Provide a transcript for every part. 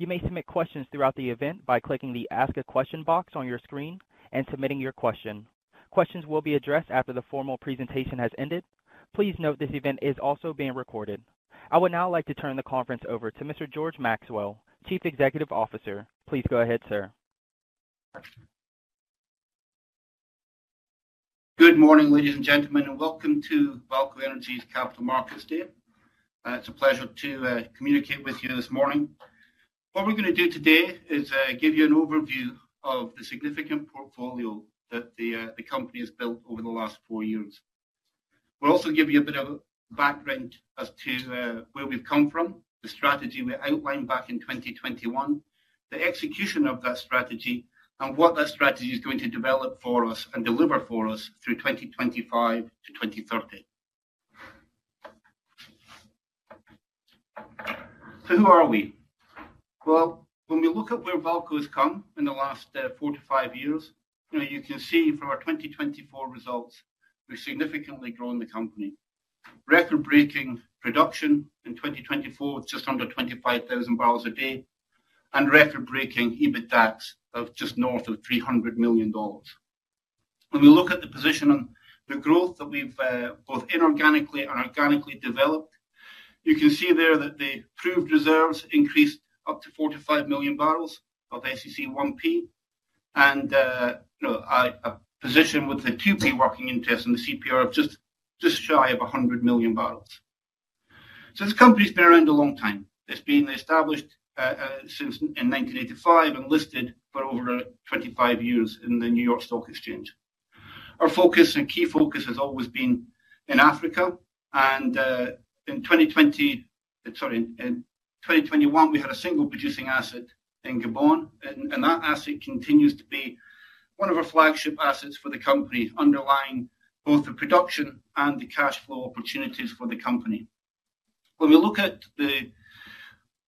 You may submit questions throughout the event by clicking the Ask a Question box on your screen and submitting your question. Questions will be addressed after the formal presentation has ended. Please note this event is also being recorded. I would now like to turn the conference over to Mr. George Maxwell, Chief Executive Officer. Please go ahead, sir. Good morning, ladies and gentlemen, and welcome to VAALCO Energy's capital markets day. It's a pleasure to communicate with you this morning. What we're going to do today is give you an overview of the significant portfolio that the company has built over the last four years. We'll also give you a bit of background as to where we've come from, the strategy we outlined back in 2021, the execution of that strategy, and what that strategy is going to develop for us and deliver for us through 2025 to 2030. Who are we? When we look at where VAALCO has come in the last four to five years, you can see from our 2024 results, we've significantly grown the company. Record-breaking production in 2024 was just under 25,000 barrels a day, and record-breaking EBITDA of just north of $300 million. When we look at the position and the growth that we've both inorganically and organically developed, you can see there that the proved reserves increased up to 45 million barrels of SEC 1P, and a position with the 2P working interest and the CPR of just shy of 100 million barrels. This company's been around a long time. It's been established since 1985 and listed for over 25 years in the New York Stock Exchange. Our focus and key focus has always been in Africa. In 2021, we had a single producing asset in Gabon, and that asset continues to be one of our flagship assets for the company, underlying both the production and the cash flow opportunities for the company. When we look at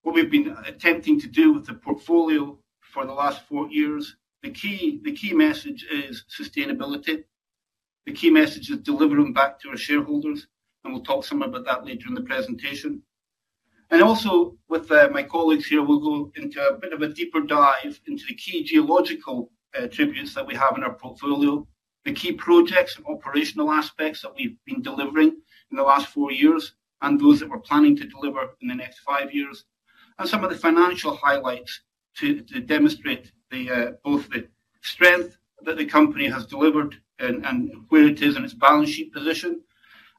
what we've been attempting to do with the portfolio for the last four years, the key message is sustainability. The key message is delivering back to our shareholders, and we will talk some about that later in the presentation. Also with my colleagues here, we will go into a bit of a deeper dive into the key geological attributes that we have in our portfolio, the key projects and operational aspects that we have been delivering in the last four years, and those that we are planning to deliver in the next five years, and some of the financial highlights to demonstrate both the strength that the company has delivered and where it is in its balance sheet position,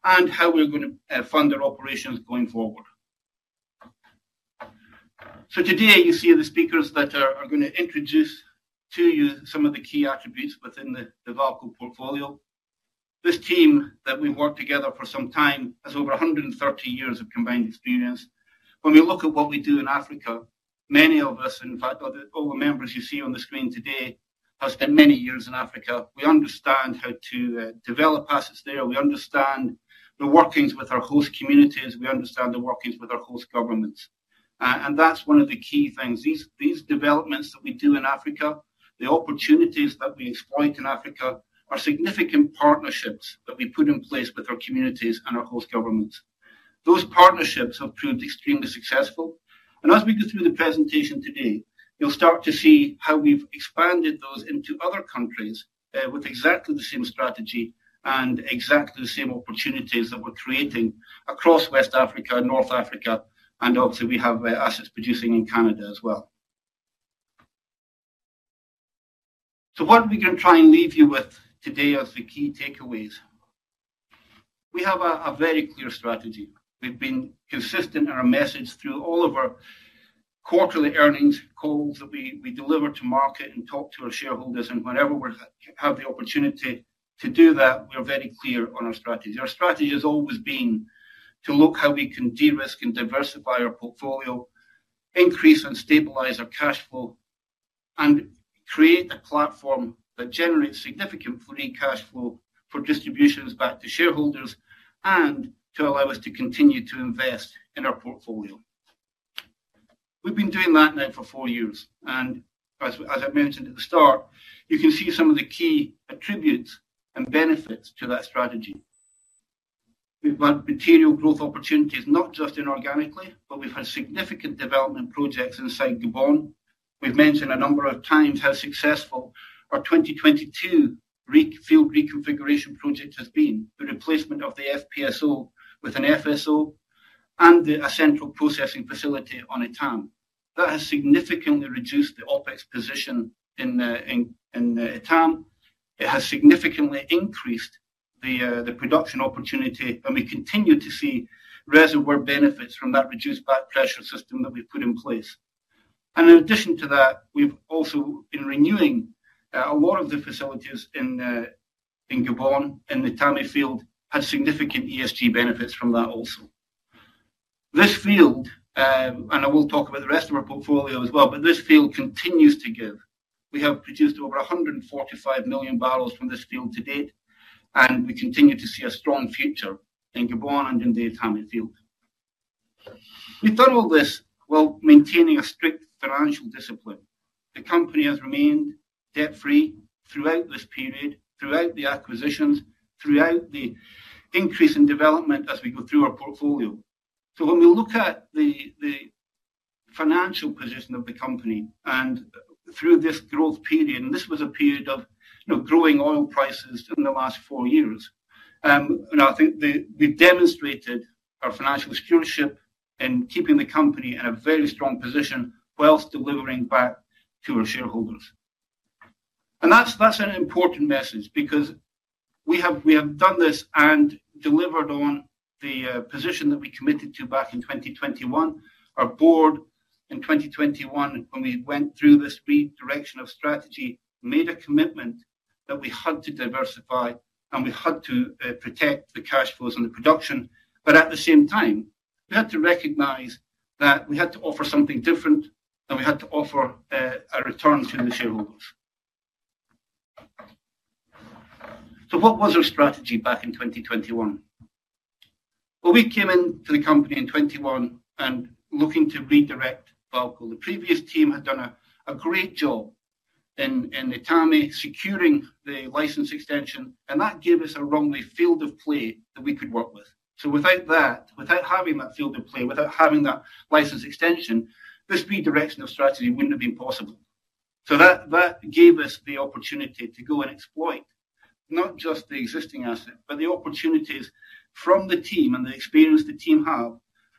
and how we are going to fund our operations going forward. Today, you see the speakers that are going to introduce to you some of the key attributes within the VAALCO portfolio. This team that we have worked together for some time has over 130 years of combined experience. When we look at what we do in Africa, many of us, in fact, all the members you see on the screen today, have spent many years in Africa. We understand how to develop assets there. We understand the workings with our host communities. We understand the workings with our host governments. That is one of the key things. These developments that we do in Africa, the opportunities that we exploit in Africa, are significant partnerships that we put in place with our communities and our host governments. Those partnerships have proved extremely successful. As we go through the presentation today, you'll start to see how we've expanded those into other countries with exactly the same strategy and exactly the same opportunities that we're creating across West Africa and North Africa. Obviously, we have assets producing in Canada as well. What are we going to try and leave you with today as the key takeaways? We have a very clear strategy. We have been consistent in our message through all of our quarterly earnings calls that we deliver to market and talk to our shareholders. Whenever we have the opportunity to do that, we are very clear on our strategy. Our strategy has always been to look how we can de-risk and diversify our portfolio, increase and stabilize our cash flow, and create a platform that generates significant free cash flow for distributions back to shareholders and to allow us to continue to invest in our portfolio. We have been doing that now for four years. As I mentioned at the start, you can see some of the key attributes and benefits to that strategy. We've had material growth opportunities, not just inorganically, but we've had significant development projects inside Gabon. We've mentioned a number of times how successful our 2022 field reconfiguration project has been, the replacement of the FPSO with an FSO and a central processing facility on Etame. That has significantly reduced the OpEx position in Etame. It has significantly increased the production opportunity, and we continue to see reservoir benefits from that reduced backpressure system that we've put in place. In addition to that, we've also been renewing a lot of the facilities in Gabon and the Etame field had significant ESG benefits from that also. This field, and I will talk about the rest of our portfolio as well, but this field continues to give. We have produced over 145 million barrels from this field to date, and we continue to see a strong future in Gabon and in the Etame field. We've done all this while maintaining a strict financial discipline. The company has remained debt-free throughout this period, throughout the acquisitions, throughout the increase in development as we go through our portfolio. When we look at the financial position of the company and through this growth period, and this was a period of growing oil prices in the last four years, I think we've demonstrated our financial stewardship in keeping the company in a very strong position whilst delivering back to our shareholders. That's an important message because we have done this and delivered on the position that we committed to back in 2021. Our board in 2021, when we went through this redirection of strategy, made a commitment that we had to diversify and we had to protect the cash flows and the production. At the same time, we had to recognize that we had to offer something different, and we had to offer a return to the shareholders. What was our strategy back in 2021? We came into the company in 2021 and were looking to redirect VAALCO. The previous team had done a great job in Etame securing the license extension, and that gave us a runway field of play that we could work with. Without that, without having that field of play, without having that license extension, this redirection of strategy would not have been possible. That gave us the opportunity to go and exploit not just the existing asset, but the opportunities from the team and the experience the team have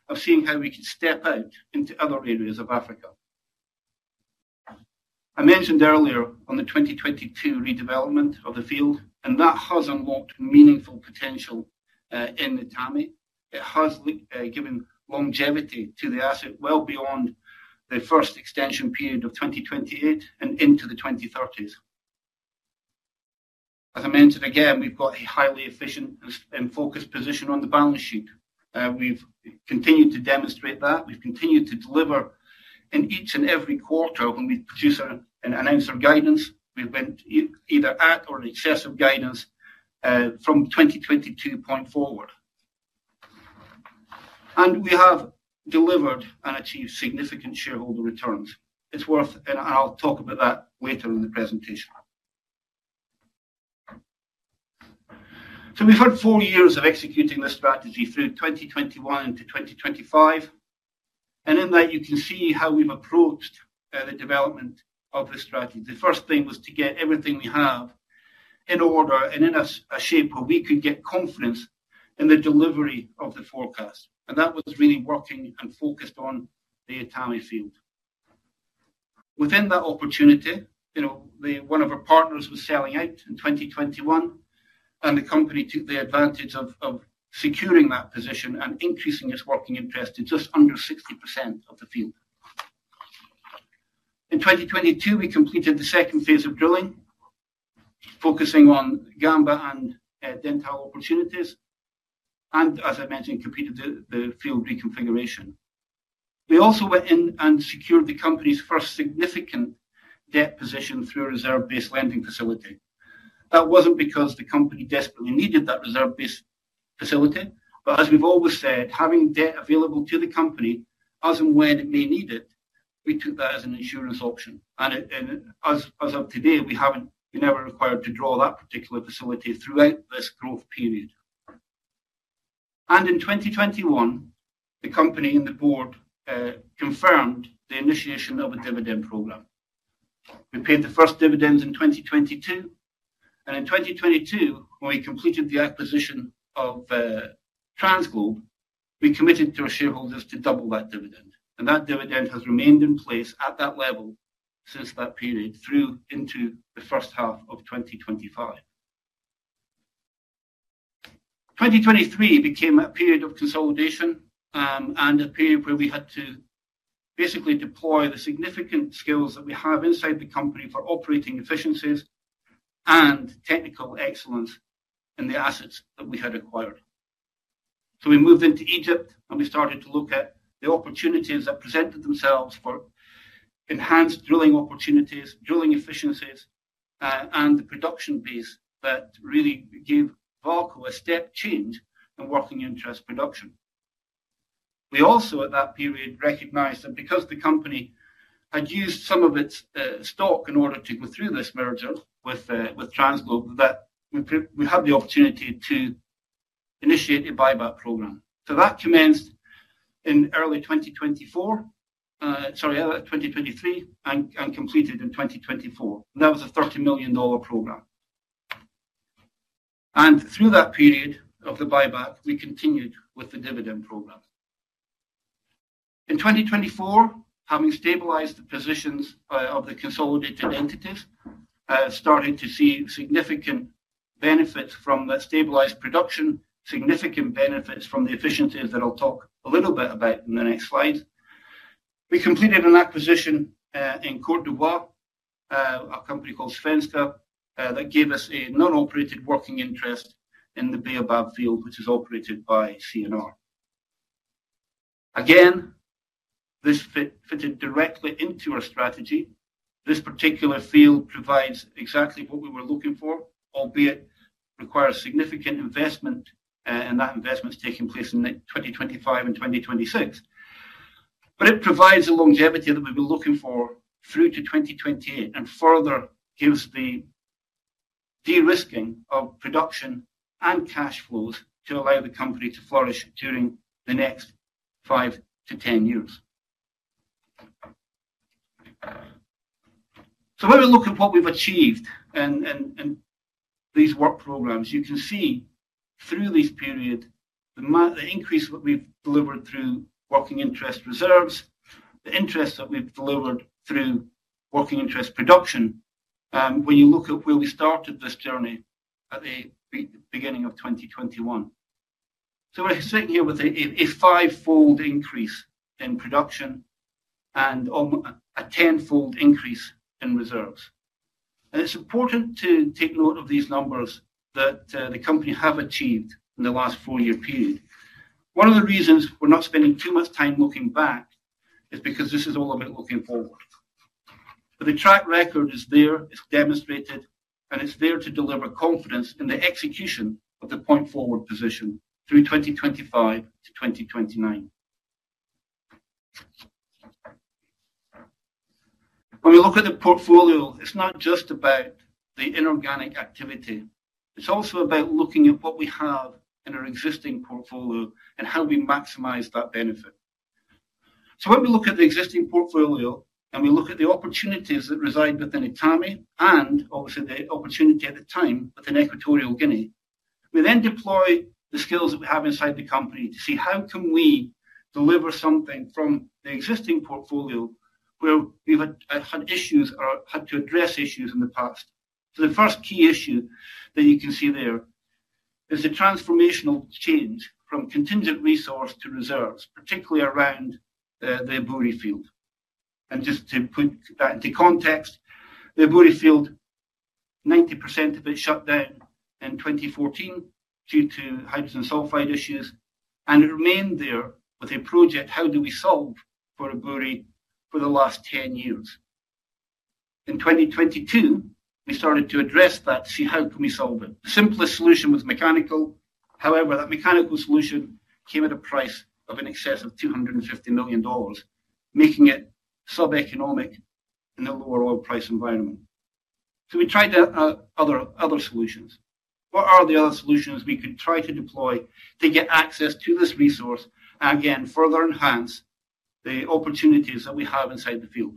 of seeing how we could step out into other areas of Africa. I mentioned earlier on the 2022 redevelopment of the field, and that has unlocked meaningful potential in Etame. It has given longevity to the asset well beyond the first extension period of 2028 and into the 2030s. As I mentioned again, we've got a highly efficient and focused position on the balance sheet. We've continued to demonstrate that. We've continued to deliver in each and every quarter when we produce and announce our guidance. We've been either at or in excess of guidance from 2022 point forward. We have delivered and achieved significant shareholder returns. It's worth, and I'll talk about that later in the presentation. We've had four years of executing this strategy through 2021 into 2025. In that, you can see how we've approached the development of the strategy. The first thing was to get everything we have in order and in a shape where we could get confidence in the delivery of the forecast. That was really working and focused on the Etame field. Within that opportunity, one of our partners was selling out in 2021, and the company took the advantage of securing that position and increasing its working interest to just under 60% of the field. In 2022, we completed the second phase of drilling, focusing on Gamba and Dentale opportunities, and as I mentioned, completed the field reconfiguration. We also went in and secured the company's first significant debt position through a reserve-based lending facility. That was not because the company desperately needed that reserve-based facility, but as we have always said, having debt available to the company as and when it may need it, we took that as an insurance option. As of today, we have never required to draw that particular facility throughout this growth period. In 2021, the company and the board confirmed the initiation of a dividend program. We paid the first dividends in 2022. In 2022, when we completed the acquisition of TransGlobe, we committed to our shareholders to double that dividend. That dividend has remained in place at that level since that period through into the first half of 2025. 2023 became a period of consolidation and a period where we had to basically deploy the significant skills that we have inside the company for operating efficiencies and technical excellence in the assets that we had acquired. We moved into Egypt, and we started to look at the opportunities that presented themselves for enhanced drilling opportunities, drilling efficiencies, and the production base that really gave VAALCO a step change in working interest production. We also, at that period, recognized that because the company had used some of its stock in order to go through this merger with TransGlobe, that we had the opportunity to initiate a buyback program. That commenced in early 2024, sorry, 2023, and completed in 2024. That was a $30 million program. Through that period of the buyback, we continued with the dividend program. In 2024, having stabilized the positions of the consolidated entities, started to see significant benefits from the stabilized production, significant benefits from the efficiencies that I'll talk a little bit about in the next slides. We completed an acquisition in Côte d'Ivoire, a company called Svenska, that gave us a non-operated working interest in the Baobab field, which is operated by CNR. Again, this fitted directly into our strategy. This particular field provides exactly what we were looking for, albeit requires significant investment, and that investment's taking place in 2025 and 2026. It provides the longevity that we've been looking for through to 2028 and further gives the de-risking of production and cash flows to allow the company to flourish during the next 5 to 10 years. When we look at what we've achieved in these work programs, you can see through these periods, the increase that we've delivered through working interest reserves, the interest that we've delivered through working interest production when you look at where we started this journey at the beginning of 2021. We're sitting here with a five-fold increase in production and a ten-fold increase in reserves. It's important to take note of these numbers that the company has achieved in the last four-year period. One of the reasons we're not spending too much time looking back is because this is all about looking forward. The track record is there. It's demonstrated, and it's there to deliver confidence in the execution of the point-forward position through 2025 to 2029. When we look at the portfolio, it's not just about the inorganic activity. It's also about looking at what we have in our existing portfolio and how we maximize that benefit. When we look at the existing portfolio and we look at the opportunities that reside within Etame and, obviously, the opportunity at the time within Equatorial Guinea, we then deploy the skills that we have inside the company to see how can we deliver something from the existing portfolio where we've had issues or had to address issues in the past. The first key issue that you can see there is the transformational change from contingent resource to reserves, particularly around the Ebouri field. Just to put that into context, the Ebouri field, 90% of it shut down in 2014 due to hydrogen sulfide issues, and it remained there with a project, how do we solve for Ebouri for the last 10 years. In 2022, we started to address that, see how can we solve it. The simplest solution was mechanical. However, that mechanical solution came at a price of in excess of $250 million, making it sub-economic in the lower oil price environment. We tried other solutions. What are the other solutions we could try to deploy to get access to this resource and, again, further enhance the opportunities that we have inside the field?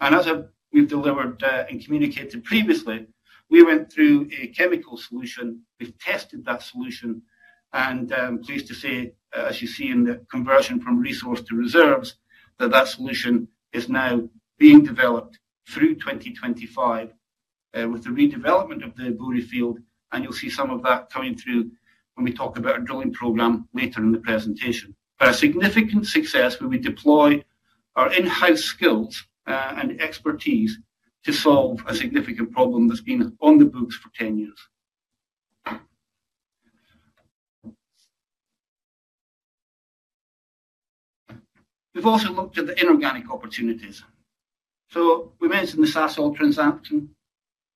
As we have delivered and communicated previously, we went through a chemical solution. We have tested that solution. I am pleased to say, as you see in the conversion from resource to reserves, that that solution is now being developed through 2025 with the redevelopment of the Ebouri field. You will see some of that coming through when we talk about our drilling program later in the presentation. A significant success where we deploy our in-house skills and expertise to solve a significant problem that has been on the books for 10 years. We've also looked at the inorganic opportunities. We mentioned the Sasol transaction.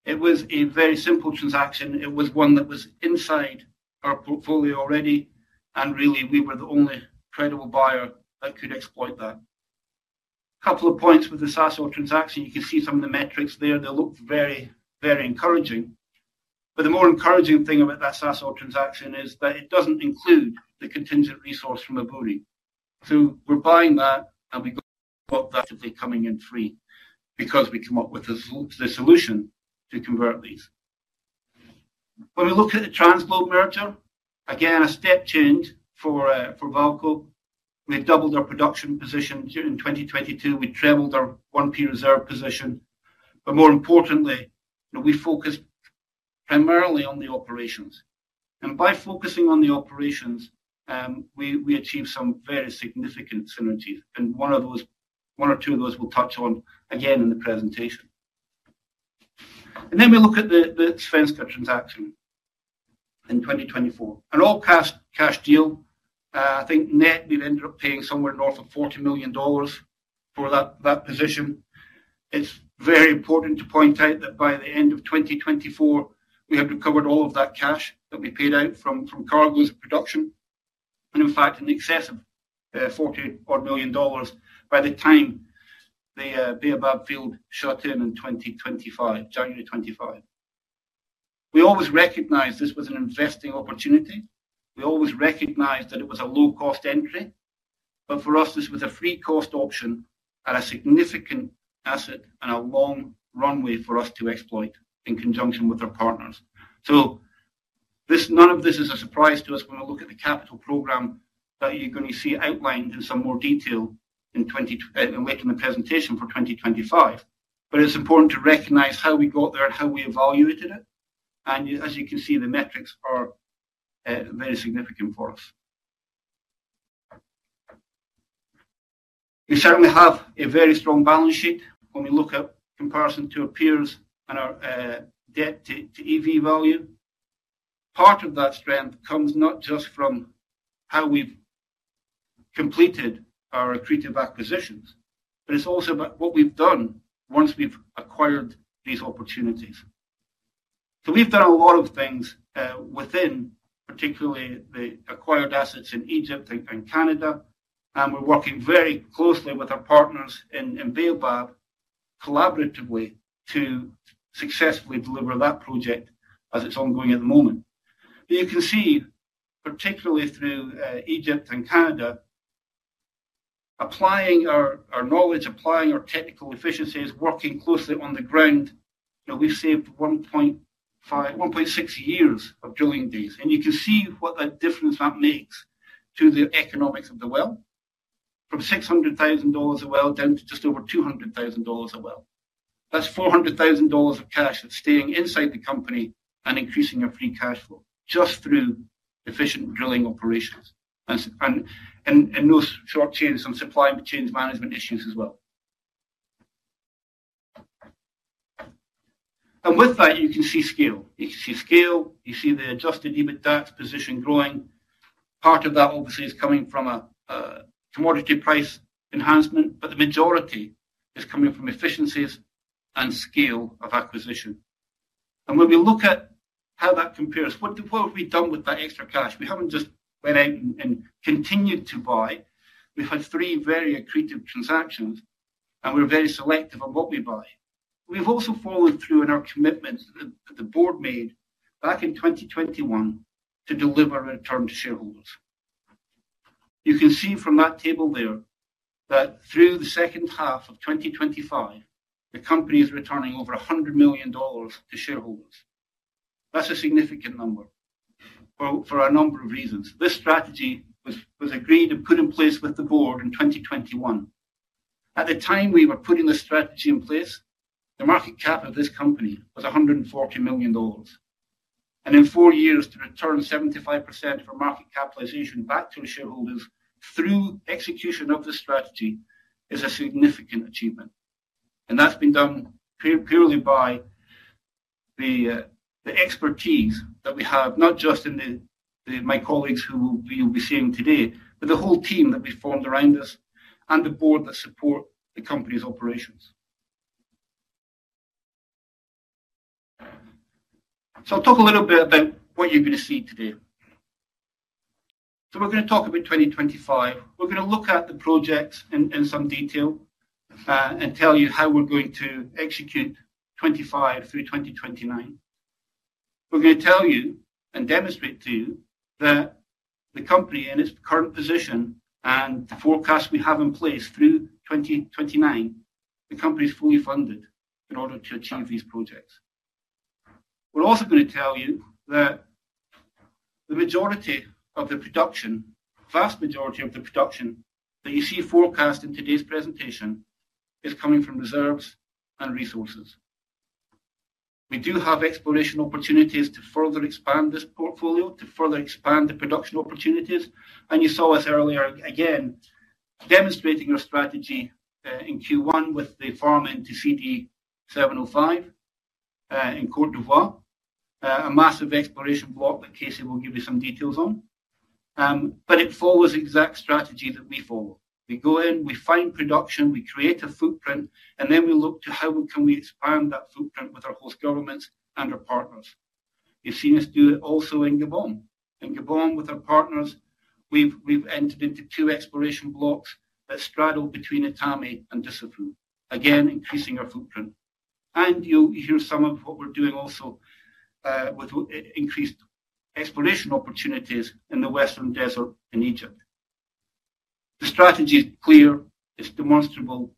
It was a very simple transaction. It was one that was inside our portfolio already, and really, we were the only credible buyer that could exploit that. A couple of points with the Sasol transaction. You can see some of the metrics there. They look very, very encouraging. The more encouraging thing about that Sasol transaction is that it does not include the contingent resource from Ebouri. We are buying that, and we have got that actively coming in free because we come up with the solution to convert these. When we look at the TransGlobe merger, again, a step change for VAALCO. We have doubled our production position in 2022. We have tripled our 1P reserve position. More importantly, we focused primarily on the operations. By focusing on the operations, we achieved some very significant synergies, and one or two of those we'll touch on again in the presentation. We look at the Svenska transaction in 2024. An all-cash deal. I think net we've ended up paying somewhere north of $40 million for that position. It's very important to point out that by the end of 2024, we had recovered all of that cash that we paid out from cargo production, and in fact, in excess of $40 million, by the time the Baobab field shut in in 2025, January 2025. We always recognized this was an investing opportunity. We always recognized that it was a low-cost entry. For us, this was a free-cost option and a significant asset and a long runway for us to exploit in conjunction with our partners. None of this is a surprise to us when we look at the capital program that you're going to see outlined in some more detail later in the presentation for 2025. It is important to recognize how we got there and how we evaluated it. As you can see, the metrics are very significant for us. We certainly have a very strong balance sheet when we look at comparison to our peers and our debt to EV value. Part of that strength comes not just from how we've completed our accretive acquisitions, but it's also about what we've done once we've acquired these opportunities. We've done a lot of things within, particularly the acquired assets in Egypt and Canada. We are working very closely with our partners in Baobab collaboratively to successfully deliver that project as it's ongoing at the moment. You can see, particularly through Egypt and Canada, applying our knowledge, applying our technical efficiencies, working closely on the ground, we've saved 1.6 years of drilling days. You can see what a difference that makes to the economics of the well, from $600,000 a well down to just over $200,000 a well. That is $400,000 of cash that is staying inside the company and increasing your free cash flow just through efficient drilling operations and no short chains on supply chain management issues as well. You can see scale. You can see scale. You see the adjusted EBITDA position growing. Part of that, obviously, is coming from a commodity price enhancement, but the majority is coming from efficiencies and scale of acquisition. When we look at how that compares, what have we done with that extra cash? We have not just went out and continued to buy. We've had three very accretive transactions, and we're very selective on what we buy. We've also followed through on our commitments that the board made back in 2021 to deliver a return to shareholders. You can see from that table there that through the second half of 2025, the company is returning over $100 million to shareholders. That's a significant number for a number of reasons. This strategy was agreed and put in place with the board in 2021. At the time we were putting the strategy in place, the market cap of this company was $140 million. In four years, to return 75% of our market capitalization back to the shareholders through execution of the strategy is a significant achievement. That's been done purely by the expertise that we have, not just in my colleagues who you'll be seeing today, but the whole team that we formed around us and the board that supports the company's operations. I'll talk a little bit about what you're going to see today. We're going to talk about 2025. We're going to look at the projects in some detail and tell you how we're going to execute 2025 through 2029. We're going to tell you and demonstrate to you that the company and its current position and the forecast we have in place through 2029, the company is fully funded in order to achieve these projects. We're also going to tell you that the majority of the production, vast majority of the production that you see forecast in today's presentation, is coming from reserves and resources. We do have exploration opportunities to further expand this portfolio, to further expand the production opportunities. You saw us earlier again demonstrating our strategy in Q1 with the farm into CI-705 in Côte d'Ivoire, a massive exploration block that Casey will give you some details on. It follows the exact strategy that we follow. We go in, we find production, we create a footprint, and then we look to how can we expand that footprint with our host governments and our partners. You have seen us do it also in Gabon. In Gabon, with our partners, we have entered into two exploration blocks that straddle between Etame and Dussafu, again, increasing our footprint. You will hear some of what we are doing also with increased exploration opportunities in the Western Desert in Egypt. The strategy is clear. It is demonstrable.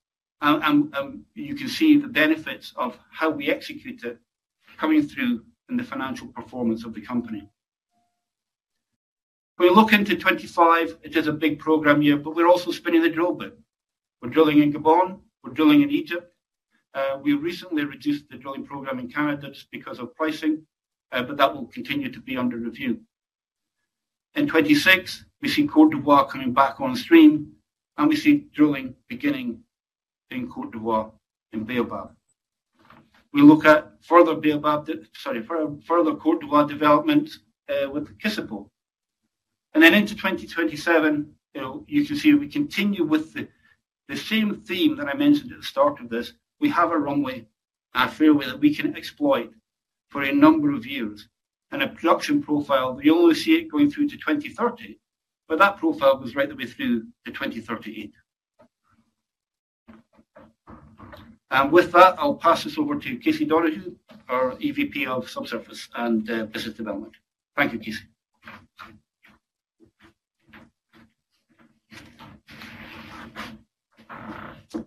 You can see the benefits of how we execute it coming through in the financial performance of the company. When we look into 2025, it is a big program year, but we're also spinning the drill bit. We're drilling in Gabon. We're drilling in Egypt. We recently reduced the drilling program in Canada just because of pricing, but that will continue to be under review. In 2026, we see Côte d'Ivoire coming back on stream, and we see drilling beginning in Côte d'Ivoire in Baobab. We look at further Baobab, sorry, further Côte d'Ivoire development with CASIPO. Into 2027, you can see we continue with the same theme that I mentioned at the start of this. We have a runway, a fairway that we can exploit for a number of years and a production profile. We only see it going through to 2030, but that profile goes right the way through to 2038. With that, I'll pass this over to Casey Donohue, our EVP of Subsurface and Business Development. Thank you, Casey.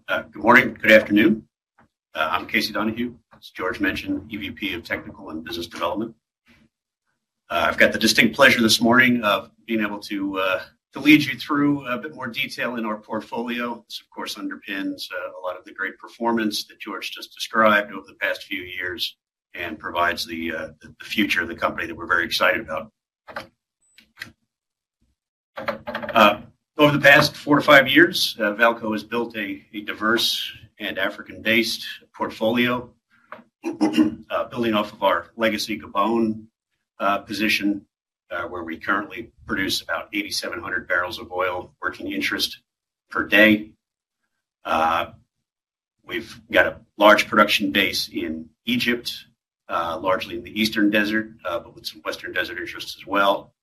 Good morning. Good afternoon. I'm Casey Donohue. As George mentioned, EVP of Technical and Business Development. I've got the distinct pleasure this morning of being able to lead you through a bit more detail in our portfolio. This, of course, underpins a lot of the great performance that George just described over the past few years and provides the future of the company that we're very excited about. Over the past four to five years, VAALCO has built a diverse and African-based portfolio, building off of our legacy Gabon position, where we currently produce about 8,700 barrels of oil working interest per day. We've got a large production base in Egypt, largely in the Eastern Desert, but with some Western Desert interests as well,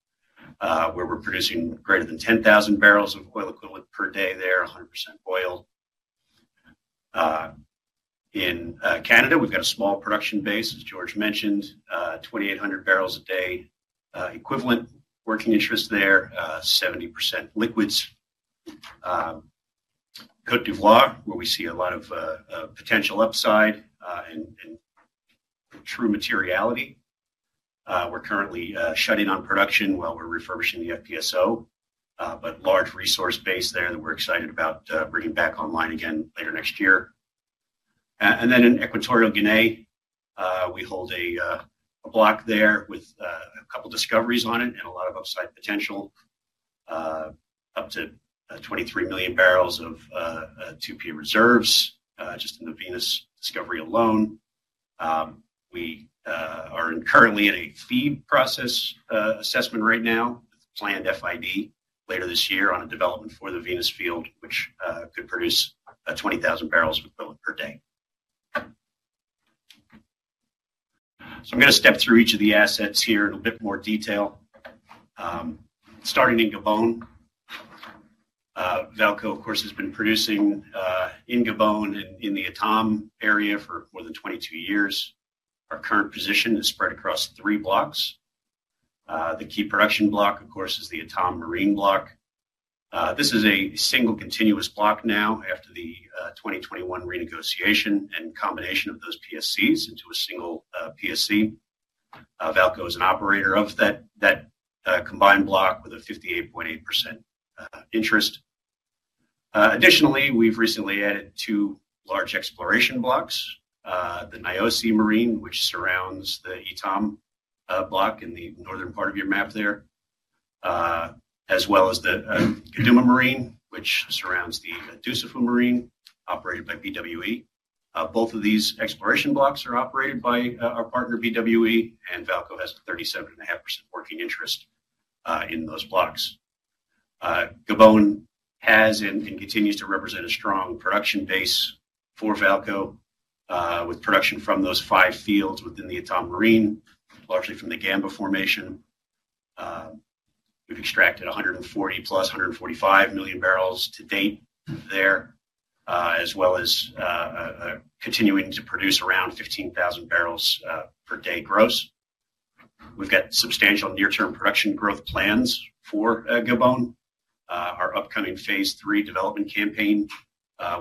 where we're producing greater than 10,000 barrels of oil equivalent per day there, 100% oil. In Canada, we've got a small production base, as George mentioned, 2,800 barrels a day equivalent working interest there, 70% liquids. Côte d'Ivoire, where we see a lot of potential upside and true materiality. We're currently shutting on production while we're refurbishing the FPSO, but a large resource base there that we're excited about bringing back online again later next year. In Equatorial Guinea, we hold a block there with a couple of discoveries on it and a lot of upside potential, up to 23 million barrels of 2P reserves just in the Venus discovery alone. We are currently in a feed process assessment right now, planned FID later this year on a development for the Venus field, which could produce 20,000 barrels of oil per day. I'm going to step through each of the assets here in a bit more detail, starting in Gabon. VAALCO, of course, has been producing in Gabon and in the Etame area for more than 22 years. Our current position is spread across three blocks. The key production block, of course, is the Etame Marin block. This is a single continuous block now after the 2021 renegotiation and combination of those PSCs into a single PSC. VAALCO is an operator of that combined block with a 58.8% interest. Additionally, we've recently added two large exploration blocks, the Nayosi Marine, which surrounds the Etame block in the northern part of your map there, as well as the Keduma Marine, which surrounds the DSAFU Marine operated by BW Energy. Both of these exploration blocks are operated by our partner, BW Energy, and VAALCO has 37.5% working interest in those blocks. Gabon has and continues to represent a strong production base for VAALCO with production from those five fields within the Etame Marin, largely from the Gamba formation. We've extracted 140-145 million barrels to date there, as well as continuing to produce around 15,000 barrels per day gross. We've got substantial near-term production growth plans for Gabon. Our upcoming phase three development campaign,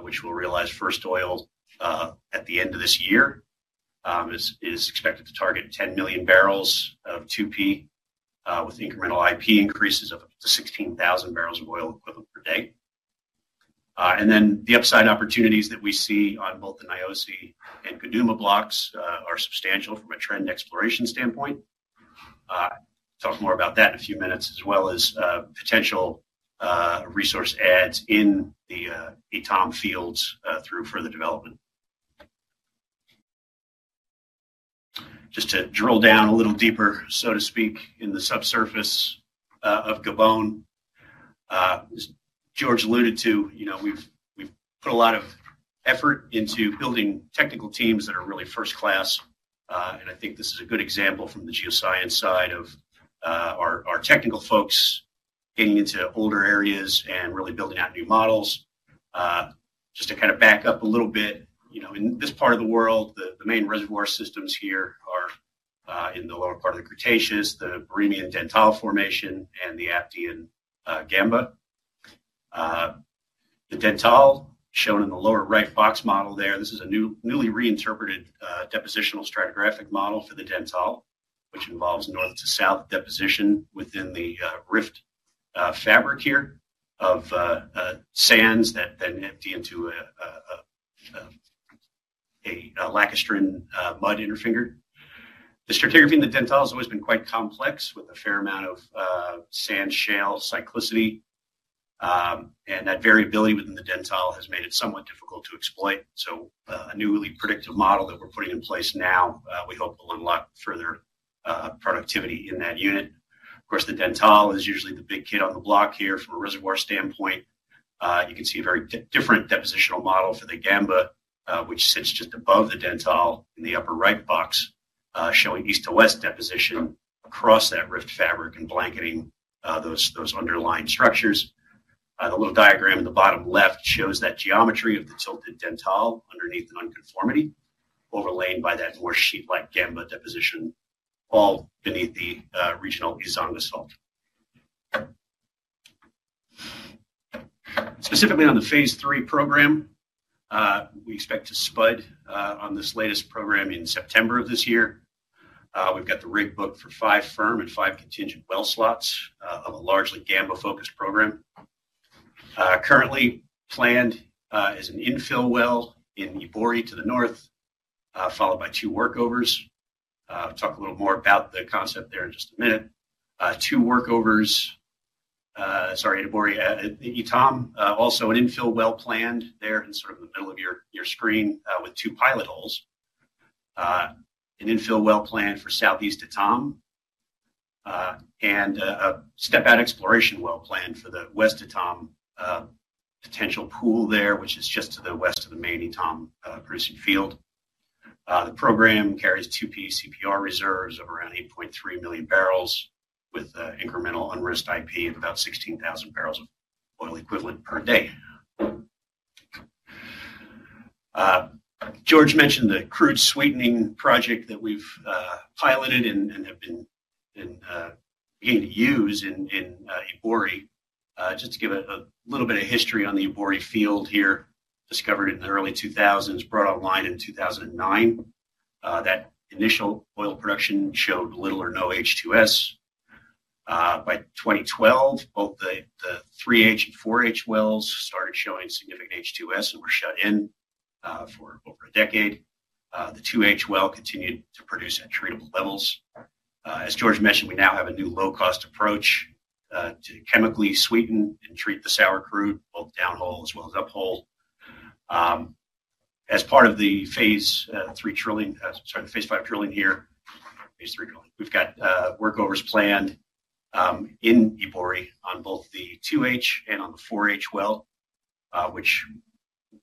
which will realize first oil at the end of this year, is expected to target 10 million barrels of 2P with incremental IP increases of up to 16,000 barrels of oil equivalent per day. The upside opportunities that we see on both the Nayosi and Keduma blocks are substantial from a trend exploration standpoint. I'll talk more about that in a few minutes, as well as potential resource adds in the Etame fields through further development. Just to drill down a little deeper, so to speak, in the subsurface of Gabon, as George alluded to, we've put a lot of effort into building technical teams that are really first class. I think this is a good example from the geoscience side of our technical folks getting into older areas and really building out new models. Just to kind of back up a little bit, in this part of the world, the main reservoir systems here are in the lower part of the Cretaceous, the Barremian Dentale Formation, and the Aptian Gamba. The Dental, shown in the lower right box model there, this is a newly reinterpreted depositional stratigraphic model for the Dental, which involves north to south deposition within the rift fabric here of sands that then empty into a lacustrine mud interfinger. The stratigraphy in the Dental has always been quite complex, with a fair amount of sand shale cyclicity. That variability within the Dental has made it somewhat difficult to exploit. A newly predictive model that we're putting in place now, we hope will unlock further productivity in that unit. Of course, the Dental is usually the big kid on the block here from a reservoir standpoint. You can see a very different depositional model for the Gamba, which sits just above the Dentale in the upper right box, showing east to west deposition across that rift fabric and blanketing those underlying structures. The little diagram in the bottom left shows that geometry of the tilted Dentale underneath an unconformity overlain by that more sheet-like Gamba deposition all beneath the regional Izanga salt. Specifically on the phase three program, we expect to spud on this latest program in September of this year. We've got the rig booked for five firm and five contingent well slots of a largely Gamba-focused program. Currently planned is an infill well in Ebouri to the north, followed by two workovers. I'll talk a little more about the concept there in just a minute. Two workovers, sorry, in Ebouri, Etame, also an infill well planned there in sort of the middle of your screen with two pilot holes, an infill well planned for southeast Etame, and a step-out exploration well planned for the west Etame potential pool there, which is just to the west of the main Etame producing field. The program carries 2P CPR reserves of around 8.3 million barrels with incremental unrisked IP of about 16,000 barrels of oil equivalent per day. George mentioned the crude sweetening project that we've piloted and have been beginning to use in Ebouri. Just to give a little bit of history on the Ebouri field here, discovered in the early 2000s, brought online in 2009. That initial oil production showed little or no H2S. By 2012, both the 3H and 4H wells started showing significant H2S and were shut in for over a decade. The 2H well continued to produce at treatable levels. As George mentioned, we now have a new low-cost approach to chemically sweeten and treat the sour crude, both downhole as well as uphole. As part of the phase three drilling, sorry, the phase five drilling here, phase three drilling, we've got workovers planned in Ebouri on both the 2H and on the 4H well, which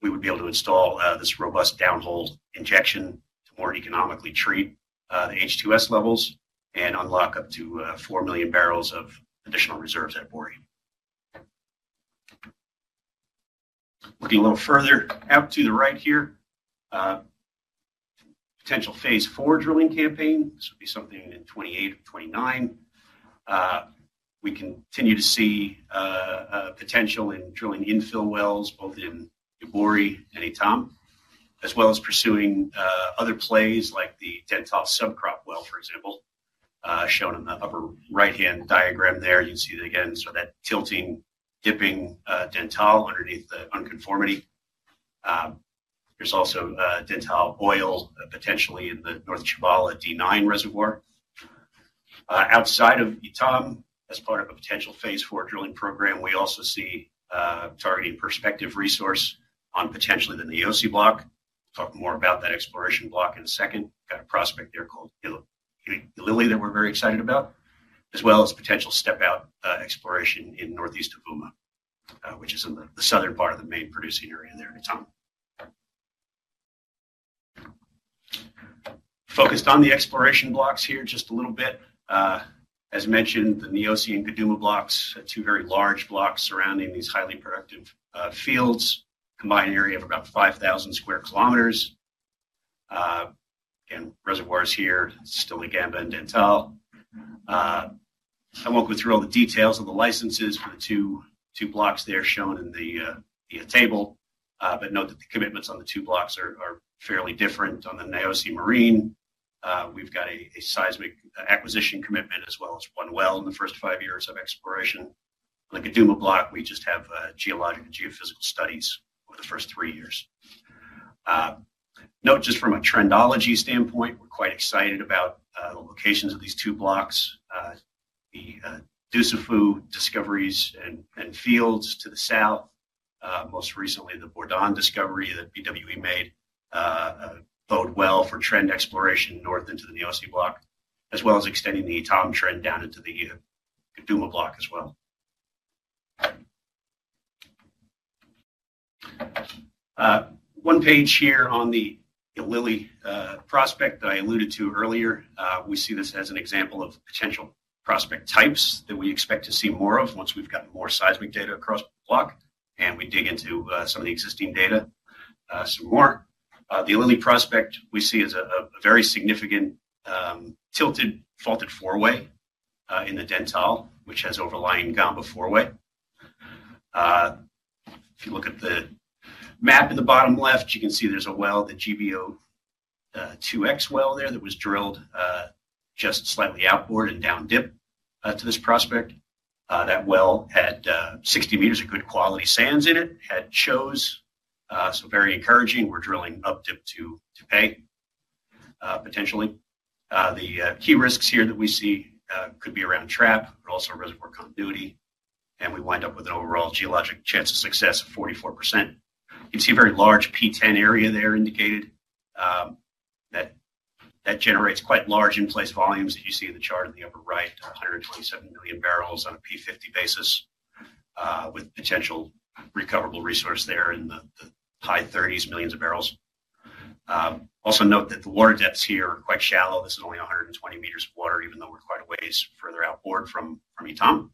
we would be able to install this robust downhole injection to more economically treat the H2S levels and unlock up to 4 million barrels of additional reserves at Ebouri. Looking a little further out to the right here, potential phase four drilling campaign. This would be something in 2028 or 2029. We continue to see potential in drilling infill wells both in Ebouri and Etame, as well as pursuing other plays like the Dentale subcrop well, for example, shown in the upper right-hand diagram there. You can see that again, sort of that tilting, dipping Dentale underneath the unconformity. There's also Dentale oil potentially in the North Chibala D9 reservoir. Outside of Etame, as part of a potential phase four drilling program, we also see targeting prospective resource on potentially the Nayosi block. I'll talk more about that exploration block in a second. We've got a prospect there called Hilo Lili that we're very excited about, as well as potential step-out exploration in northeast Ivuma, which is in the southern part of the main producing area there in Etame. Focused on the exploration blocks here just a little bit. As mentioned, the Nayosi and Keduma blocks, two very large blocks surrounding these highly productive fields, combined area of about 5,000 sq km. Again, reservoirs here, still in Gamba and Dentale. I won't go through all the details of the licenses for the two blocks there shown in the table, but note that the commitments on the two blocks are fairly different. On the Nayosi Marine, we've got a seismic acquisition commitment as well as one well in the first five years of exploration. On the Keduma block, we just have geologic and geophysical studies over the first three years. Note just from a trendology standpoint, we're quite excited about the locations of these two blocks, the DSAFU discoveries and fields to the south, most recently the Bordon discovery that BW Energy made, a bode well for trend exploration north into the Nayosi block, as well as extending the Etame trend down into the Keduma block as well. One page here on the Ilili prospect that I alluded to earlier, we see this as an example of potential prospect types that we expect to see more of once we've gotten more seismic data across the block and we dig into some of the existing data some more. The Ilili prospect we see is a very significant tilted faulted fourway in the Dentale, which has overlying Gamba fourway. If you look at the map in the bottom left, you can see there's a well, the GBO 2X well there that was drilled just slightly outboard and down dip to this prospect. That well had 60 meters of good quality sands in it, had shows, so very encouraging. We're drilling up dip to pay potentially. The key risks here that we see could be around trap, but also reservoir continuity, and we wind up with an overall geologic chance of success of 44%. You can see a very large P10 area there indicated. That generates quite large in-place volumes that you see in the chart in the upper right, 127 million barrels on a P50 basis with potential recoverable resource there in the high 30s, millions of barrels. Also note that the water depths here are quite shallow. This is only 120 meters of water, even though we're quite a ways further outboard from Etame.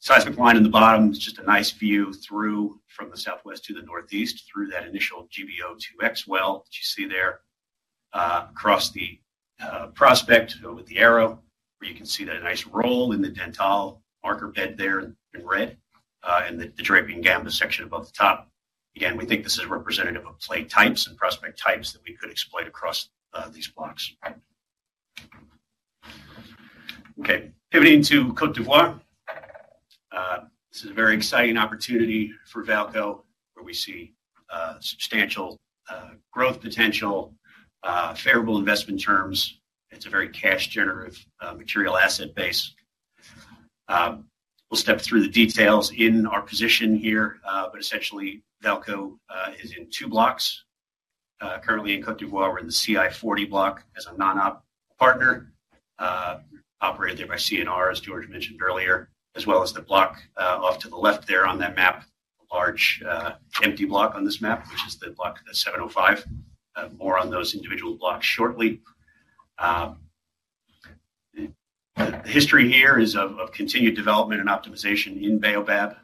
Seismic line in the bottom is just a nice view through from the southwest to the northeast through that initial GBO 2X well that you see there across the prospect with the arrow, where you can see that nice roll in the Dental marker bed there in red and the draping Gamba section above the top. Again, we think this is representative of plate types and prospect types that we could exploit across these blocks. Okay. Pivoting to Côte d'Ivoire, this is a very exciting opportunity for VAALCO, where we see substantial growth potential, favorable investment terms. It's a very cash-generative material asset base. We'll step through the details in our position here, but essentially, VAALCO is in two blocks. Currently in Côte d'Ivoire, we're in the CI-40 block as a non-op partner, operated there by CNR International, as George mentioned earlier, as well as the block off to the left there on that map, a large empty block on this map, which is the block CI-705. More on those individual blocks shortly. The history here is of continued development and optimization in Baobab.